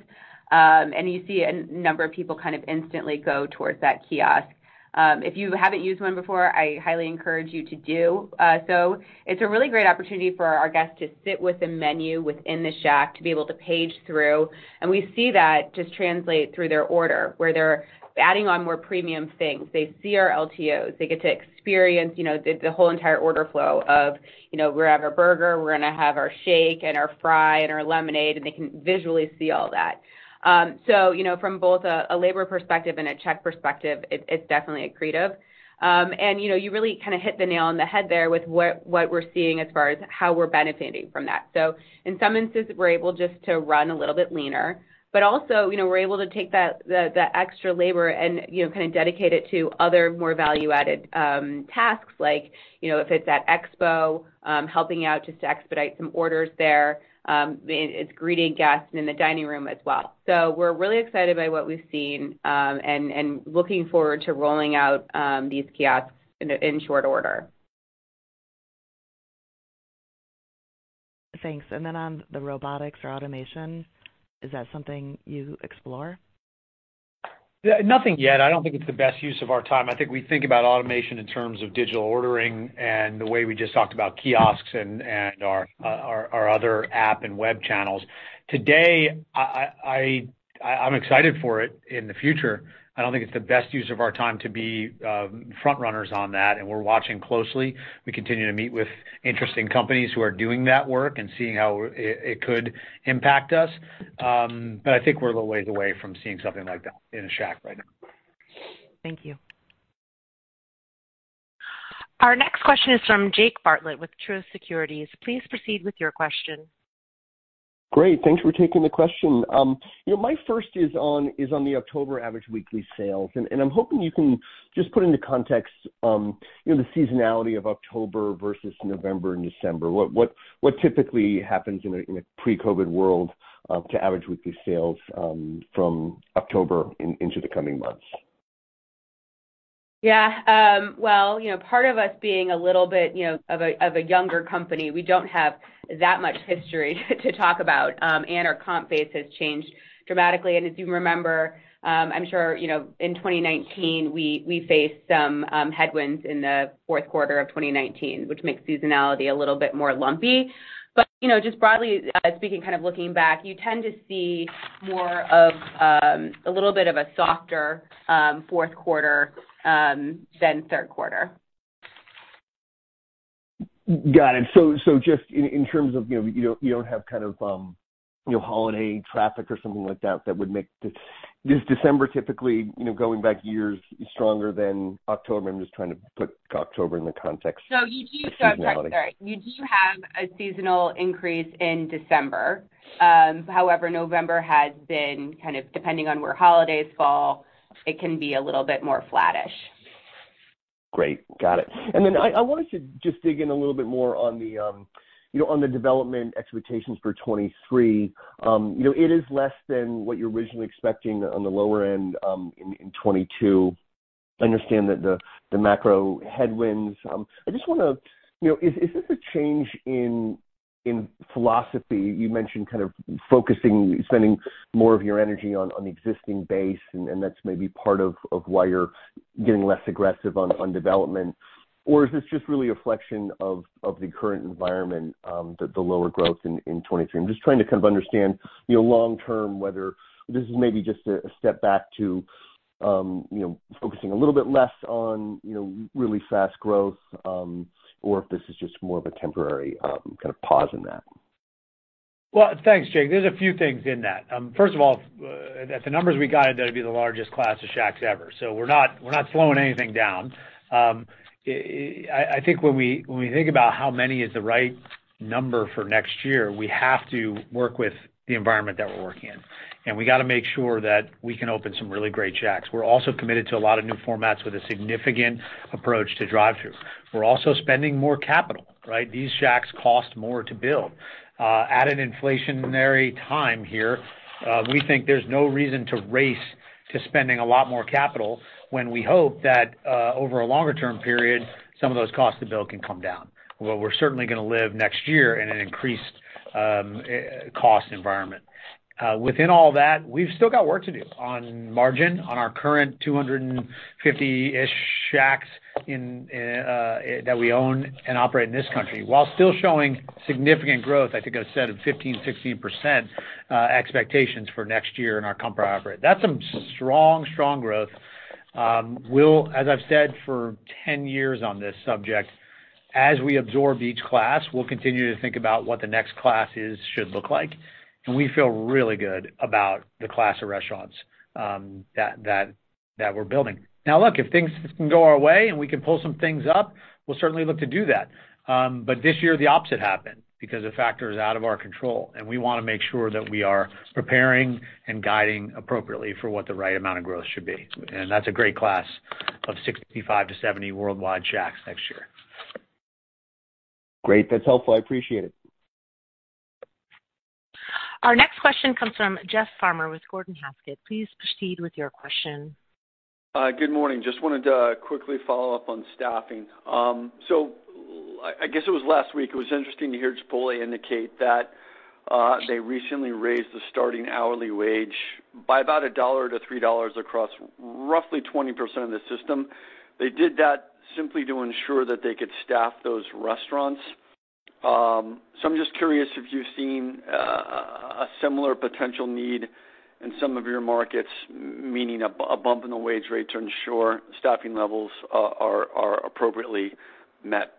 You see a number of people kind of instantly go towards that kiosk. If you haven't used one before, I highly encourage you to do. It's a really great opportunity for our guests to sit with a menu within the Shack to be able to page through. We see that just translates through their order, where they're adding on more premium things. They see our LTOs. They get to experience, you know, the whole entire order flow of, you know, we're gonna have our burger, we're gonna have our shake and our fry and our lemonade, and they can visually see all that. So, you know, from both a labor perspective and a check perspective, it's definitely accretive. You know, you really kinda hit the nail on the head there with what we're seeing as far as how we're benefiting from that. In some instances, we're able just to run a little bit leaner. Also, you know, we're able to take that, the extra labor and, you know, kind of dedicate it to other more value-added tasks like, you know, if it's at expo, helping out just to expedite some orders there, it's greeting guests in the dining room as well. We're really excited by what we've seen, and looking forward to rolling out these kiosks in short order. Thanks. On the robotics or automation, is that something you explore? Nothing yet. I don't think it's the best use of our time. I think we think about automation in terms of digital ordering and the way we just talked about kiosks and our other app and web channels. Today, I'm excited for it in the future. I don't think it's the best use of our time to be front runners on that, and we're watching closely. We continue to meet with interesting companies who are doing that work and seeing how it could impact us. I think we're a little ways away from seeing something like that in a Shack right now. Thank you. Our next question is from Jake Bartlett with Truist Securities. Please proceed with your question. Great. Thanks for taking the question. You know, my first is on the October average weekly sales, and I'm hoping you can just put into context, you know, the seasonality of October versus November and December. What typically happens in a pre-COVID world to average weekly sales from October into the coming months? Yeah. Well, you know, part of us being a little bit, you know, of a younger company, we don't have that much history to talk about. Our comp base has changed dramatically. As you remember, I'm sure you know, in 2019, we faced some headwinds in the fourth quarter of 2019, which makes seasonality a little bit more lumpy. You know, just broadly speaking, kind of looking back, you tend to see more of a little bit of a softer fourth quarter than third quarter. Got it. Is December typically, you know, going back years, stronger than October? I'm just trying to put October in the context of seasonality. You do have a seasonal increase in December. However, November has been kind of depending on where holidays fall. It can be a little bit more flattish. Great. Got it. I wanted to just dig in a little bit more on the, you know, on the development expectations for 2023. You know, it is less than what you're originally expecting on the lower end, in 2022. Understand that the macro headwinds. I just wanna you know, is this a change in philosophy? You mentioned kind of focusing, spending more of your energy on the existing base, and that's maybe part of why you're getting less aggressive on development. Or is this just really a reflection of the current environment, the lower growth in 2023? I'm just trying to kind of understand, you know, long-term, whether this is maybe just a step back to, you know, focusing a little bit less on, you know, really fast growth, or if this is just more of a temporary, kind of pause in that. Well, thanks, Jake. There's a few things in that. First of all, at the numbers we guided, that'd be the largest class of Shacks ever. We're not slowing anything down. I think when we think about how many is the right number for next year, we have to work with the environment that we're working in, and we gotta make sure that we can open some really great Shacks. We're also committed to a lot of new formats with a significant approach to drive-thru. We're also spending more capital, right? These Shacks cost more to build. At an inflationary time here, we think there's no reason to race to spending a lot more capital when we hope that over a longer-term period, some of those costs to build can come down. Well, we're certainly gonna live next year in an increased cost environment. Within all that, we've still got work to do on margin on our current 250-ish Shacks that we own and operate in this country, while still showing significant growth, I think I said, of 15%-16% expectations for next year in our comps. That's some strong growth. As I've said for 10 years on this subject, as we absorb each class, we'll continue to think about what the next class should look like, and we feel really good about the class of restaurants that we're building. Now, look, if things can go our way and we can pull some things up, we'll certainly look to do that. This year the opposite happened because of factors out of our control, and we wanna make sure that we are preparing and guiding appropriately for what the right amount of growth should be. That's a great class of 65-70 worldwide Shacks next year. Great. That's helpful. I appreciate it. Our next question comes from Jeff Farmer with Gordon Haskett. Please proceed with your question. Good morning. Just wanted to quickly follow up on staffing. It was last week, it was interesting to hear Chipotle indicate that they recently raised the starting hourly wage by about $1-$3 across roughly 20% of the system. They did that simply to ensure that they could staff those restaurants. I'm just curious if you've seen a similar potential need in some of your markets, meaning a bump in the wage rate to ensure staffing levels are appropriately met.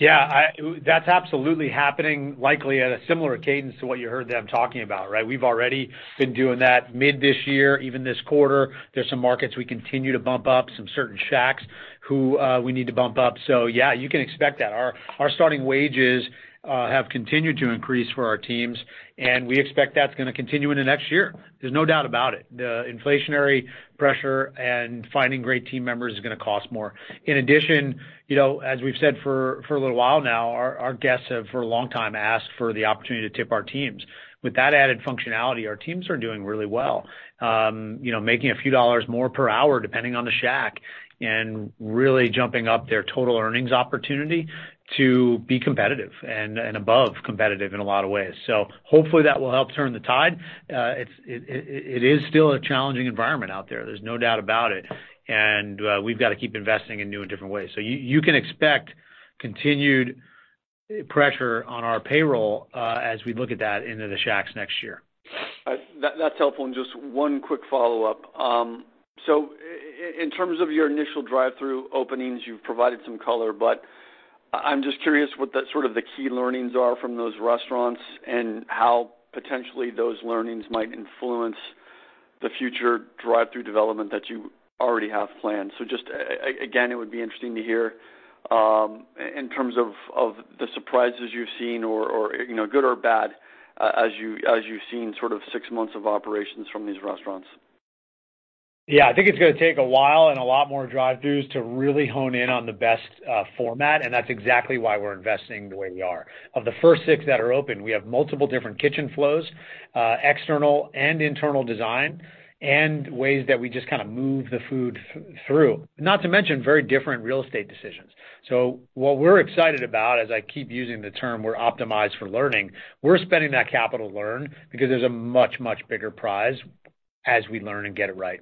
Yeah, that's absolutely happening, likely at a similar cadence to what you heard them talking about, right? We've already been doing that mid this year, even this quarter. There's some markets we continue to bump up, some certain Shacks who we need to bump up. So yeah, you can expect that. Our starting wages have continued to increase for our teams, and we expect that's gonna continue into next year. There's no doubt about it. The inflationary pressure and finding great team members is gonna cost more. In addition, you know, as we've said for a little while now, our guests have, for a long time, asked for the opportunity to tip our teams. With that added functionality, our teams are doing really well, you know, making a few dollars more per hour, depending on the Shack, and really jumping up their total earnings opportunity to be competitive and above competitive in a lot of ways. Hopefully that will help turn the tide. It is still a challenging environment out there's no doubt about it. We've got to keep investing in new and different ways. You can expect continued pressure on our payroll, as we look at that into the Shacks next year. That, that's helpful. Just one quick follow-up. In terms of your initial drive-thru openings, you've provided some color, but I'm just curious what the sort of key learnings are from those restaurants and how potentially those learnings might influence the future drive-thru development that you already have planned. Just again, it would be interesting to hear in terms of the surprises you've seen or, you know, good or bad as you, as you've seen sort of six months of operations from these restaurants. Yeah. I think it's gonna take a while and a lot more drive-thrus to really hone in on the best format, and that's exactly why we're investing the way we are. Of the first six that are open, we have multiple different kitchen flows, external and internal design, and ways that we just kind of move the food through. Not to mention, very different real estate decisions. What we're excited about, as I keep using the term, we're optimized for learning, we're spending that capital to learn because there's a much, much bigger prize as we learn and get it right.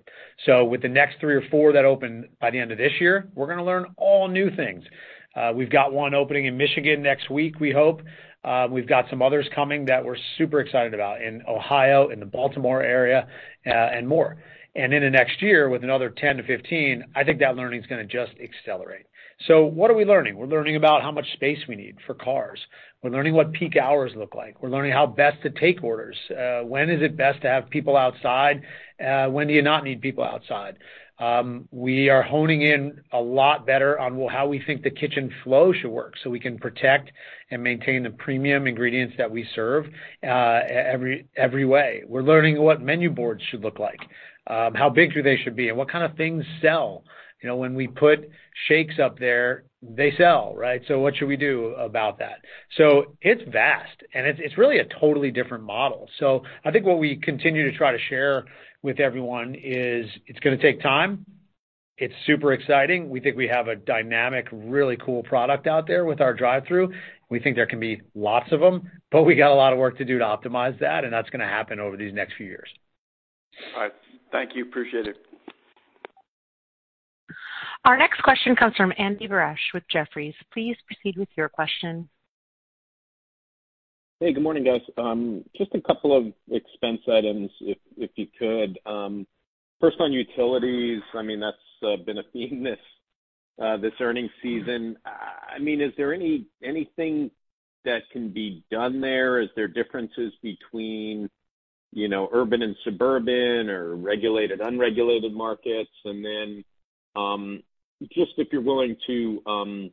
With the next three or four that open by the end of this year, we're gonna learn all new things. We've got one opening in Michigan next week, we hope. We've got some others coming that we're super excited about in Ohio, in the Baltimore area, and more. Into next year with another 10-15, I think that learning is gonna just accelerate. What are we learning? We're learning about how much space we need for cars. We're learning what peak hours look like. We're learning how best to take orders. When is it best to have people outside? When do you not need people outside? We are honing in a lot better on how we think the kitchen flow should work, so we can protect and maintain the premium ingredients that we serve every way. We're learning what menu boards should look like, how big they should be, and what kind of things sell. You know, when we put shakes up there, they sell, right? What should we do about that? It's vast, and it's really a totally different model. I think what we continue to try to share with everyone is it's gonna take time. It's super exciting. We think we have a dynamic, really cool product out there with our drive-thru. We think there can be lots of them, but we got a lot of work to do to optimize that, and that's gonna happen over these next few years. All right. Thank you. Appreciate it. Our next question comes from Andy Barish with Jefferies. Please proceed with your question. Hey, good morning, guys. Just a couple of expense items if you could. First on utilities, I mean, that's been a theme this earnings season. I mean, is there anything that can be done there? Is there differences between, you know, urban and suburban or regulated, unregulated markets? Just if you're willing to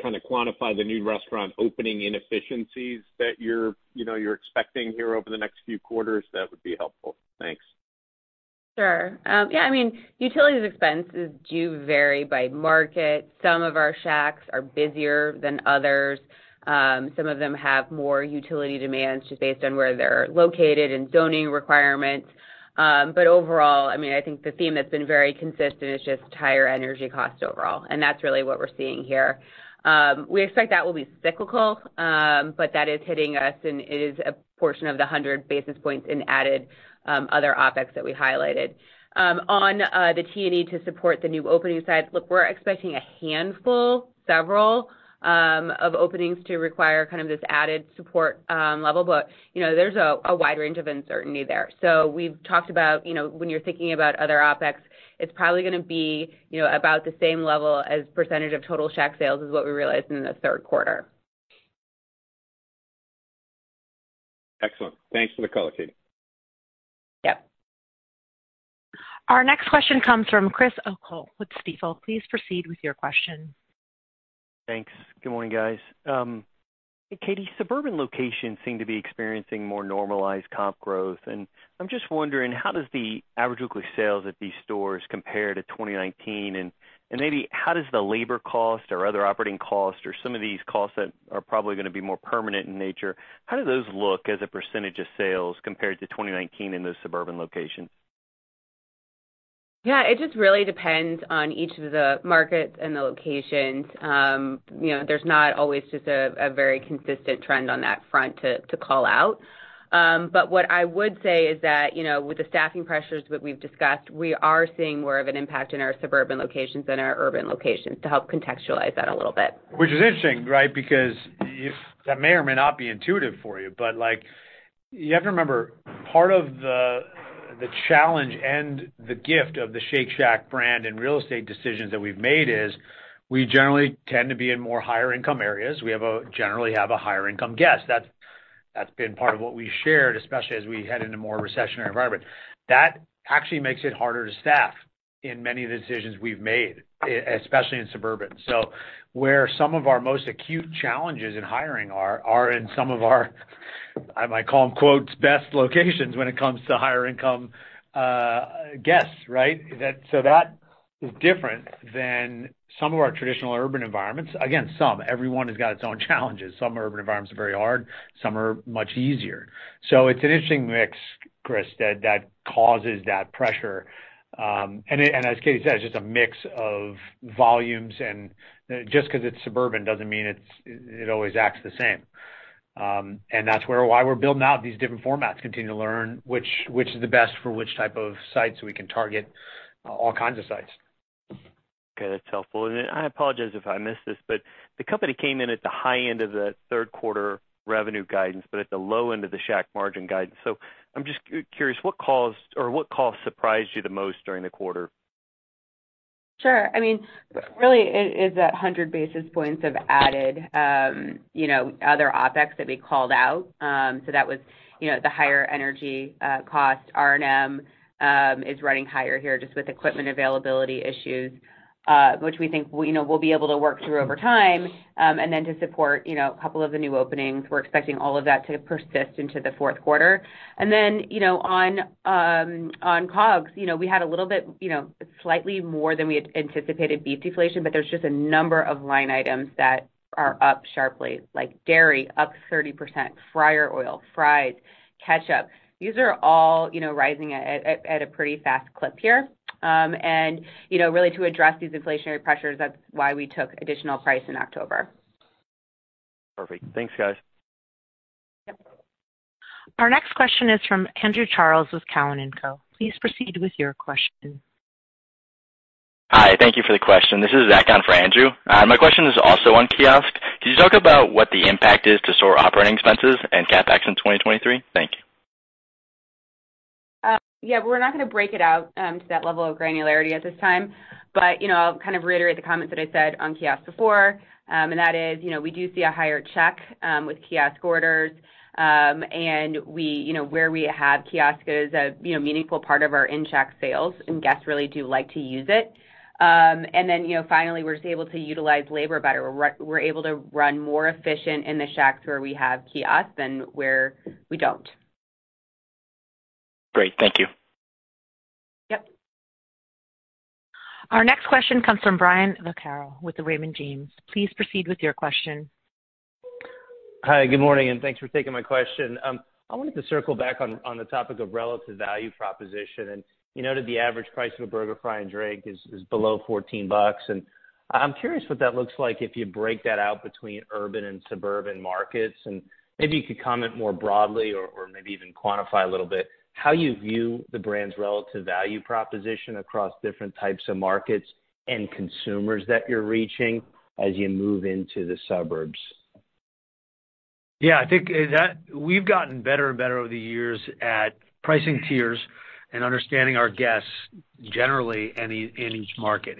kinda quantify the new restaurant opening inefficiencies that you're, you know, you're expecting here over the next few quarters, that would be helpful. Thanks. Sure. Yeah, I mean, utilities expenses do vary by market. Some of our Shacks are busier than others. Some of them have more utility demands just based on where they're located and zoning requirements. Overall, I mean, I think the theme that's been very consistent is just higher energy cost overall, and that's really what we're seeing here. We expect that will be cyclical, but that is hitting us, and it is a portion of the 100 basis points in added other OpEx that we highlighted. On the T&E to support the new opening sites, look, we're expecting a handful, several of openings to require kind of this added support level. You know, there's a wide range of uncertainty there. We've talked about, you know, when you're thinking about other OpEx, it's probably gonna be, you know, about the same level as percentage of total Shack sales is what we realized in the third quarter. Excellent. Thanks for the color, Katie. Yep. Our next question comes from Chris O'Cull with Stifel. Please proceed with your question. Thanks. Good morning, guys. Katie, suburban locations seem to be experiencing more normalized comp growth, and I'm just wondering, how does the average weekly sales at these stores compare to 2019? Maybe how does the labor cost or other operating costs or some of these costs that are probably gonna be more permanent in nature, how do those look as a percentage of sales compared to 2019 in those suburban locations? Yeah. It just really depends on each of the markets and the locations. You know, there's not always just a very consistent trend on that front to call out. What I would say is that, you know, with the staffing pressures that we've discussed, we are seeing more of an impact in our suburban locations than our urban locations to help contextualize that a little bit. Which is interesting, right? Because if that may or may not be intuitive for you, but, like, you have to remember, part of the challenge and the gift of the Shake Shack brand and real estate decisions that we've made is we generally tend to be in more higher income areas. We generally have a higher income guest. That's been part of what we shared, especially as we head into more recessionary environment. That actually makes it harder to staff in many of the decisions we've made especially in suburban. Where some of our most acute challenges in hiring are in some of our, I might call them best locations when it comes to higher income guests, right? That is different than some of our traditional urban environments. Again, some. Everyone has got its own challenges. Some urban environments are very hard, some are much easier. It's an interesting mix, Chris, that causes that pressure. As Katie said, it's just a mix of volumes and just 'cause it's suburban doesn't mean it always acts the same. Why we're building out these different formats, continue to learn which is the best for which type of sites so we can target all kinds of sites. Okay, that's helpful. I apologize if I missed this, but the company came in at the high end of the third quarter revenue guidance, but at the low end of the Shack margin guidance. I'm just curious, what caused or what cost surprised you the most during the quarter? Sure. I mean, really it is that 100 basis points of added, you know, other OpEx that we called out. So that was, you know, the higher energy cost. R&M is running higher here just with equipment availability issues, which we think we'll be able to work through over time. Then to support, you know, a couple of the new openings, we're expecting all of that to persist into the fourth quarter. Then, you know, on COGS, you know, we had a little bit, you know, slightly more than we had anticipated beef deflation, but there's just a number of line items that are up sharply, like dairy up 30%, fryer oil, fries, ketchup. These are all, you know, rising at a pretty fast clip here. You know, really to address these inflationary pressures, that's why we took additional price in October. Perfect. Thanks, guys. Yep. Our next question is from Andrew Charles with Cowen and Company. Please proceed with your question. Hi, thank you for the question. This is Zach on for Andrew. My question is also on kiosk. Can you talk about what the impact is to store operating expenses and CapEx in 2023? Thank you. Yeah, we're not gonna break it out to that level of granularity at this time. You know, I'll kind of reiterate the comments that I said on kiosk before, and that is, you know, we do see a higher check with kiosk orders. You know, where we have kiosks is a meaningful part of our in-check sales, and guests really do like to use it. Then, you know, finally, we're just able to utilize labor better. We're able to run more efficient in the Shacks where we have kiosks than where we don't. Great. Thank you. Yep. Our next question comes from Brian Vaccaro with Raymond James. Please proceed with your question. Hi, good morning, and thanks for taking my question. I wanted to circle back on the topic of relative value proposition. You noted the average price of a burger, fry, and drink is below $14. I'm curious what that looks like if you break that out between urban and suburban markets. Maybe you could comment more broadly or maybe even quantify a little bit how you view the brand's relative value proposition across different types of markets and consumers that you're reaching as you move into the suburbs. Yeah. I think that we've gotten better and better over the years at pricing tiers and understanding our guests generally in each market.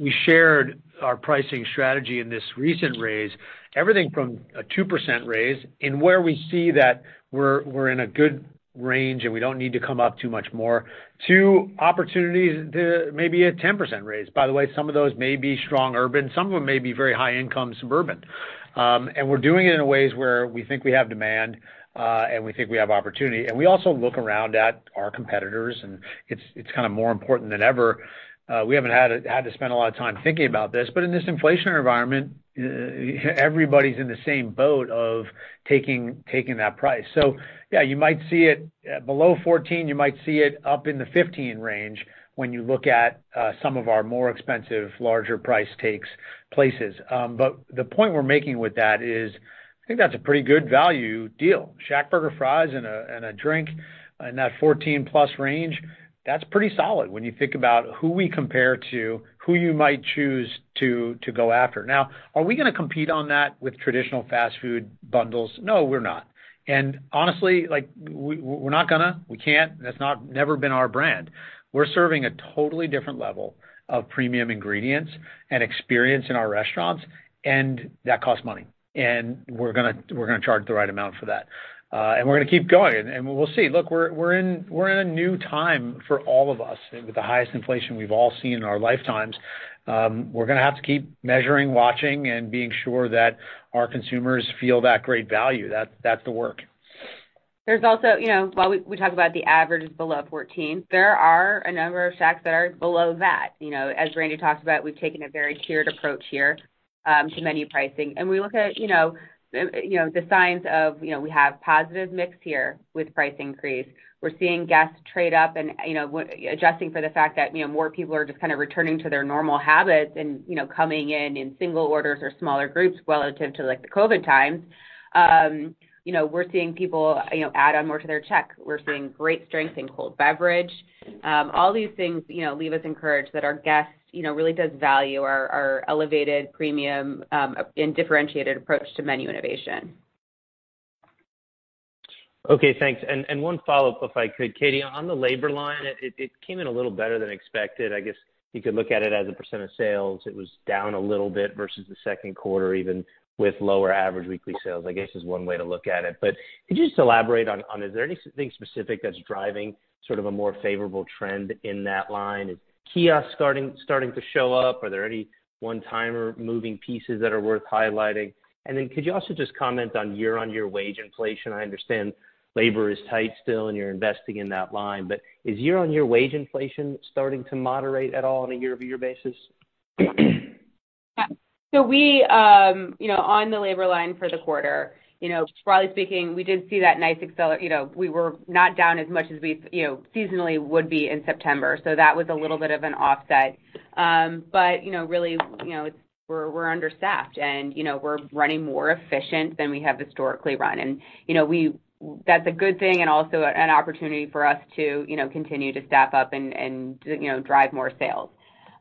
We shared our pricing strategy in this recent release. Everything from a 2% raise in where we see that we're in a good range, and we don't need to come up too much more to opportunities to maybe a 10% raise. By the way, some of those may be strong urban, some of them may be very high income suburban. We're doing it in ways where we think we have demand, and we think we have opportunity. We also look around at our competitors, and it's kind of more important than ever. We haven't had to spend a lot of time thinking about this. In this inflationary environment, everybody's in the same boat of taking that price. Yeah, you might see it below $14, you might see it up in the $15 range when you look at some of our more expensive, larger price takes places. The point we're making with that is, I think that's a pretty good value deal. ShackBurger fries and a drink in that $14-plus range, that's pretty solid when you think about who we compare to, who you might choose to go after. Now, are we gonna compete on that with traditional fast food bundles? No, we're not. Honestly, like, we're not gonna. We can't. That's not never been our brand. We're serving a totally different level of premium ingredients and experience in our restaurants, and that costs money, and we're gonna charge the right amount for that. We're gonna keep going, and we'll see. Look, we're in a new time for all of us with the highest inflation we've all seen in our lifetimes. We're gonna have to keep measuring, watching, and being sure that our consumers feel that great value. That's the work. There's also, you know, while we talk about the average is below 14, there are a number of Shacks that are below that. You know, as Randy talked about, we've taken a very tiered approach here to menu pricing. We look at, you know, you know the signs of, you know, we have positive mix here with price increase. We're seeing guests trade up and, you know, adjusting for the fact that, you know, more people are just kind of returning to their normal habits and, you know, coming in in single orders or smaller groups relative to like the COVID times. You know, we're seeing people, you know, add on more to their check. We're seeing great strength in cold beverage. All these things, you know, leave us encouraged that our guests, you know, really does value our elevated premium, and differentiated approach to menu innovation. Okay, thanks. One follow-up, if I could. Katie, on the labor line, it came in a little better than expected. I guess you could look at it as a percent of sales. It was down a little bit versus the second quarter, even with lower average weekly sales, I guess, is one way to look at it. But could you just elaborate on is there anything specific that's driving sort of a more favorable trend in that line? Is kiosk starting to show up? Are there any one-time or moving pieces that are worth highlighting? And then could you also just comment on year-over-year wage inflation? I understand labor is tight still, and you're investing in that line, but is year-over-year wage inflation starting to moderate at all on a year-over-year basis? Yeah. We, you know, on the labor line for the quarter, you know, broadly speaking, we did see that, you know, we were not down as much as we, you know, seasonally would be in September. That was a little bit of an offset. You know, really, you know, it's we're understaffed and, you know, we're running more efficient than we have historically run. You know, that's a good thing and also an opportunity for us to, you know, continue to staff up and, you know, drive more sales.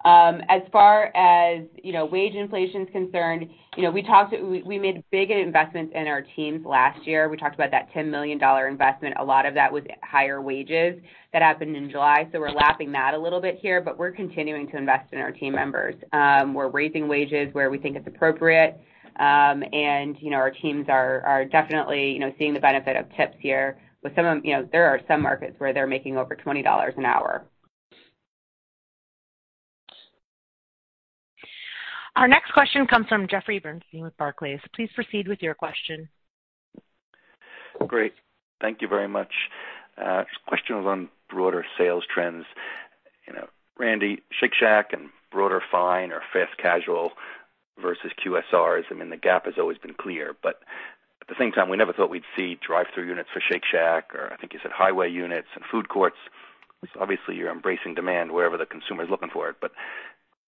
As far as, you know, wage inflation is concerned, you know, we made big investments in our teams last year. We talked about that $10 million investment. A lot of that was higher wages. That happened in July. We're lapping that a little bit here, but we're continuing to invest in our team members. We're raising wages where we think it's appropriate, and you know, our teams are definitely, you know, seeing the benefit of tips here. With some of them, you know, there are some markets where they're making over $20 an hour. Our next question comes from Jeffrey Bernstein with Barclays. Please proceed with your question. Great. Thank you very much. This question was on broader sales trends. You know, Randy, Shake Shack and broader fine or fast casual versus QSRs, I mean, the gap has always been clear, but at the same time, we never thought we'd see drive-through units for Shake Shack, or I think you said highway units and food courts. Obviously, you're embracing demand wherever the consumer is looking for it, but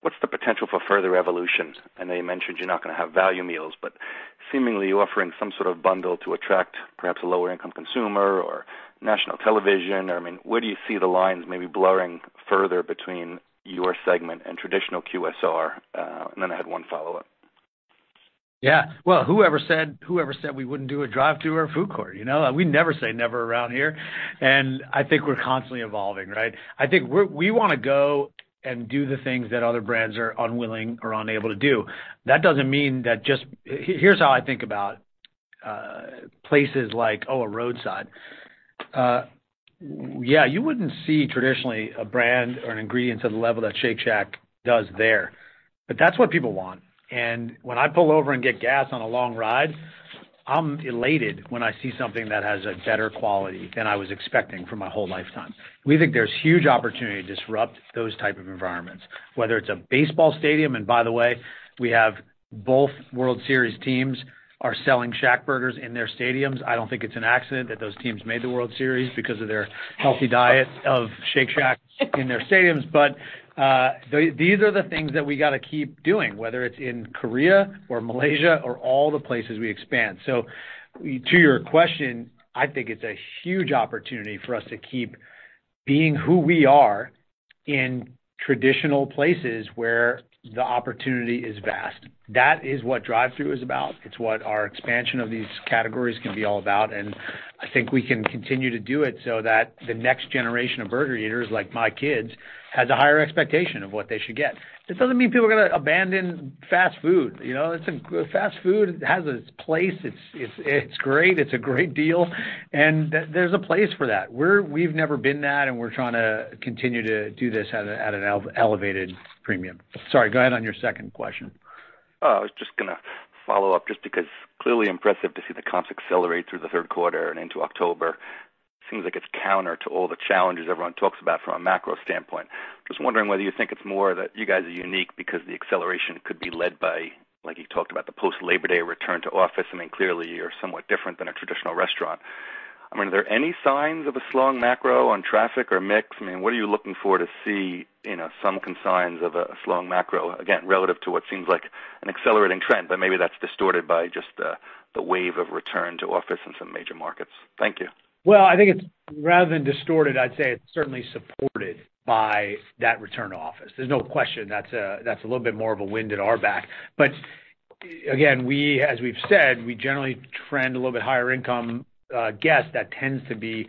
what's the potential for further evolution? I know you mentioned you're not gonna have value meals, but seemingly offering some sort of bundle to attract perhaps a lower income consumer or national television. I mean, where do you see the lines maybe blurring further between your segment and traditional QSR? I had one follow-up. Yeah. Well, whoever said we wouldn't do a drive-through or a food court, you know? We never say never around here. I think we're constantly evolving, right? I think we wanna go and do the things that other brands are unwilling or unable to do. That doesn't mean that just. Here's how I think about places like a roadside. Yeah, you wouldn't see traditionally a brand or an ingredient to the level that Shake Shack does there. That's what people want. When I pull over and get gas on a long ride, I'm elated when I see something that has a better quality than I was expecting for my whole lifetime. We think there's huge opportunity to disrupt those type of environments, whether it's a baseball stadium, and by the way, we have both World Series teams are selling ShackBurgers in their stadiums. I don't think it's an accident that those teams made the World Series because of their healthy diet of Shake Shack in their stadiums. These are the things that we gotta keep doing, whether it's in Korea or Malaysia or all the places we expand. To your question, I think it's a huge opportunity for us to keep being who we are in traditional places where the opportunity is vast. That is what drive-thru is about. It's what our expansion of these categories can be all about, and I think we can continue to do it so that the next generation of burger eaters, like my kids, has a higher expectation of what they should get. That doesn't mean people are gonna abandon fast food. You know, fast food has its place. It's great. It's a great deal, and there's a place for that. We've never been that, and we're trying to continue to do this at an elevated premium. Sorry, go ahead on your second question. Oh, I was just gonna follow up just because clearly impressive to see the comps accelerate through the third quarter and into October. Seems like it's counter to all the challenges everyone talks about from a macro standpoint. Just wondering whether you think it's more that you guys are unique because the acceleration could be led by, like you talked about the post Labor Day Return to Office. I mean, clearly, you're somewhat different than a traditional restaurant. I mean, are there any signs of a slowing macro on traffic or mix? I mean, what are you looking for to see, you know, some signs of a slowing macro, again, relative to what seems like an accelerating trend, but maybe that's distorted by just the wave of return to office in some major markets. Thank you. Well, I think it's rather than distorted. I'd say it's certainly supported by that return to office. There's no question. That's a little bit more of a wind at our back. Again, as we've said, we generally trend a little bit higher income guests that tends to be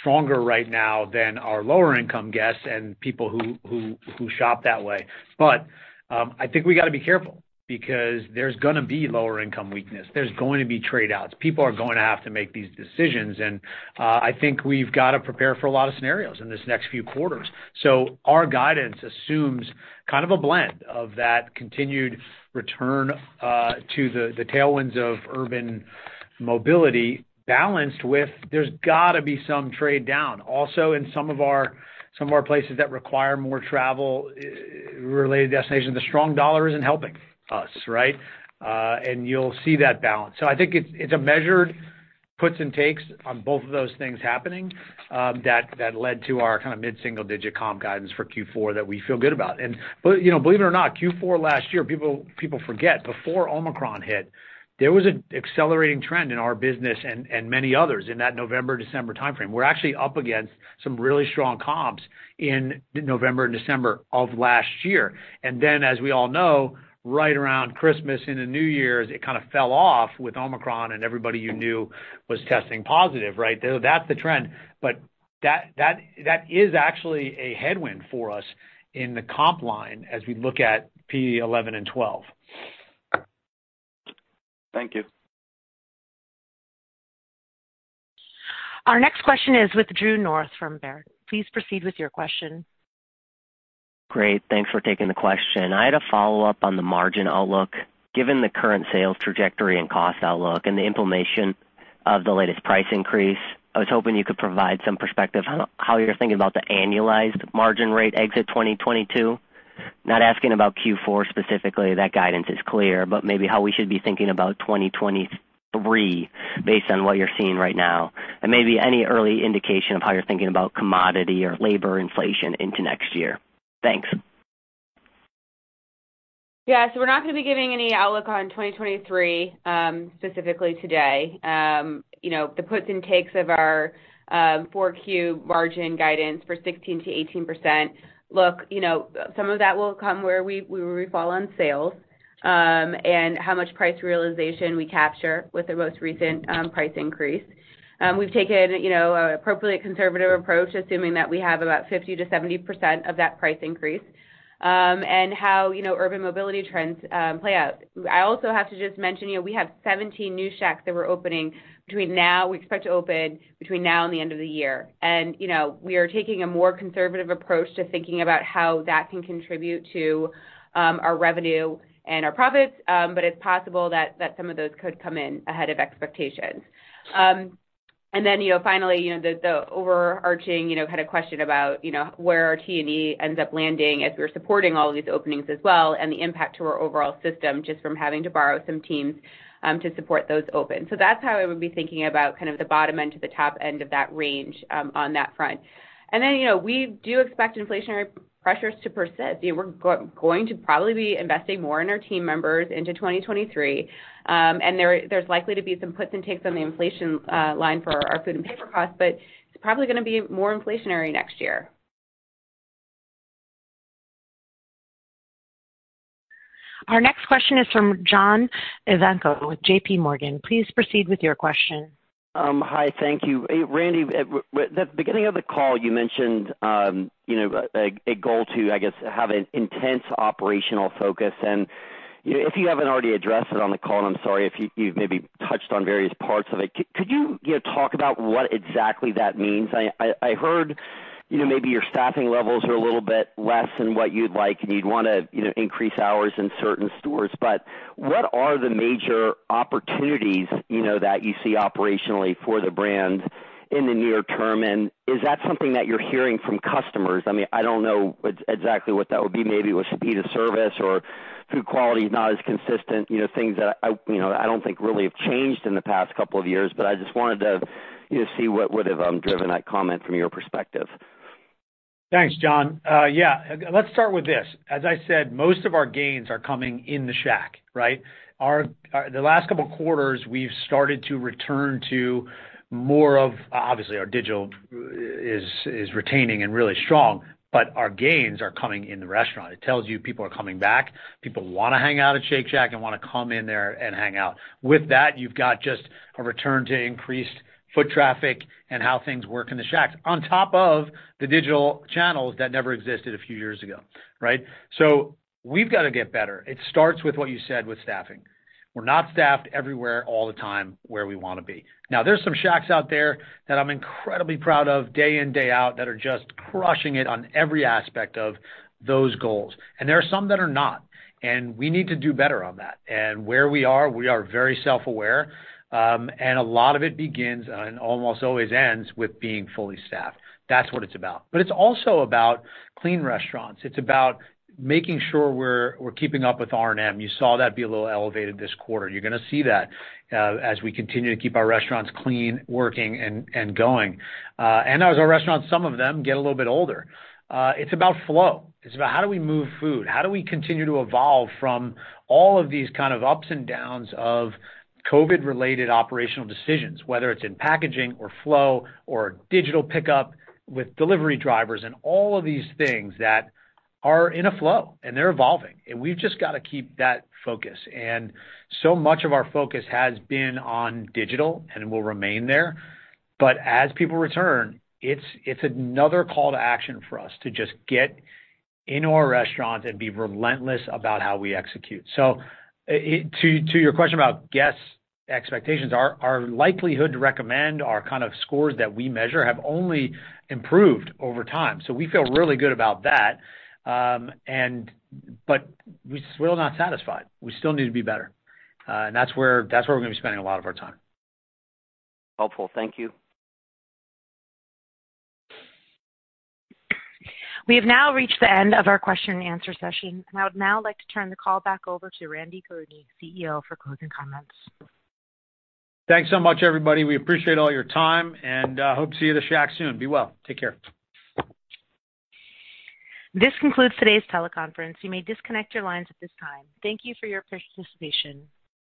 stronger right now than our lower income guests and people who shop that way. I think we gotta be careful because there's gonna be lower income weakness. There's going to be trade-outs. People are going to have to make these decisions, and I think we've got to prepare for a lot of scenarios in this next few quarters. Our guidance assumes kind of a blend of that continued return to the tailwinds of urban mobility balanced with there's gotta be some trade down. Also, in some of our places that require more travel-related destinations, the strong dollar isn't helping us, right? You'll see that balance. I think it's a measured puts and takes on both of those things happening, that led to our kind of mid-single-digit comp guidance for Q4 that we feel good about. You know, believe it or not, Q4 last year, people forget, before Omicron hit, there was an accelerating trend in our business and many others in that November-December timeframe. We're actually up against some really strong comps in November and December of last year. As we all know, right around Christmas into New Year's, it kind of fell off with Omicron and everybody you knew was testing positive, right? That's the trend. That is actually a headwind for us in the comp line as we look at P11 and P12. Thank you. Our next question is with Drew North from Baird. Please proceed with your question. Great. Thanks for taking the question. I had a follow-up on the margin outlook. Given the current sales trajectory and cost outlook and the implementation of the latest price increase, I was hoping you could provide some perspective on how you're thinking about the annualized margin rate exit 2022. Not asking about Q4 specifically. That guidance is clear. Maybe how we should be thinking about 2023 based on what you're seeing right now. Maybe any early indication of how you're thinking about commodity or labor inflation into next year. Thanks. Yeah. We're not gonna be giving any outlook on 2023 specifically today. You know, the puts and takes of our 4Q margin guidance for 16%-18%. Look, you know, some of that will come where we fall on sales and how much price realization we capture with the most recent price increase. We've taken, you know, appropriately conservative approach, assuming that we have about 50%-70% of that price increase and how, you know, urban mobility trends play out. I also have to just mention, you know, we have 17 new Shacks that we expect to open between now and the end of the year. You know, we are taking a more conservative approach to thinking about how that can contribute to our revenue and our profits. It's possible that some of those could come in ahead of expectations. You know, finally, you know, the overarching, you know, kind of question about, you know, where our T&E ends up landing as we're supporting all these openings as well and the impact to our overall system just from having to borrow some teams to support those opens. That's how I would be thinking about kind of the bottom end to the top end of that range on that front. You know, we do expect inflationary pressures to persist. You know, we're going to probably be investing more in our team members into 2023. There's likely to be some puts and takes on the inflation line for our Food and Paper costs, but it's probably gonna be more inflationary next year. Our next question is from John Ivankoe with JPMorgan. Please proceed with your question. Hi. Thank you. Randy, at the beginning of the call, you mentioned, you know, a goal to, I guess, have an intense operational focus. If you haven't already addressed it on the call, and I'm sorry if you've maybe touched on various parts of it, could you know, talk about what exactly that means? I heard. You know, maybe your staffing levels are a little bit less than what you'd like, and you'd wanna, you know, increase hours in certain stores. But what are the major opportunities, you know, that you see operationally for the brand in the near-term, and is that something that you're hearing from customers? I mean, I don't know exactly what that would be. Maybe it was speed of service or food quality not as consistent, you know, things that I, you know, I don't think really have changed in the past couple of years, but I just wanted to, you know, see what would have driven that comment from your perspective. Thanks, John. Yeah. Let's start with this. As I said, most of our gains are coming in the Shack, right? The last couple quarters, we've started to return to more of obviously our digital is retaining and really strong, but our gains are coming in the restaurant. It tells you people are coming back. People wanna hang out at Shake Shack and wanna come in there and hang out. With that, you've got just a return to increased foot traffic and how things work in the Shacks on top of the digital channels that never existed a few years ago, right? We've gotta get better. It starts with what you said with staffing. We're not staffed everywhere all the time where we wanna be. Now, there's some Shacks out there that I'm incredibly proud of day in, day out, that are just crushing it on every aspect of those goals. There are some that are not, and we need to do better on that. Where we are, we are very self-aware, and a lot of it begins, and almost always ends, with being fully staffed. That's what it's about. It's also about clean restaurants. It's about making sure we're keeping up with R&M. You saw that be a little elevated this quarter. You're gonna see that, as we continue to keep our restaurants clean, working, and going. And as our restaurants, some of them get a little bit older. It's about flow. It's about how do we move food? How do we continue to evolve from all of these kind of ups and downs of COVID-related operational decisions, whether it's in packaging or flow or digital pickup with delivery drivers and all of these things that are in a flow, and they're evolving? We've just gotta keep that focus. So much of our focus has been on digital and will remain there. As people return, it's another call to action for us to just get into our restaurant and be relentless about how we execute. To your question about guests' expectations, our likelihood to recommend, our kind of scores that we measure have only improved over time. We feel really good about that, but we're still not satisfied. We still need to be better. That's where we're gonna be spending a lot of our time. Helpful. Thank you. We have now reached the end of our question-and-answer session, and I would now like to turn the call back over to Randy Garutti, CEO, for closing comments. Thanks so much, everybody. We appreciate all your time and hope to see you at the Shack soon. Be well. Take care. This concludes today's teleconference. You may disconnect your lines at this time. Thank you for your participation.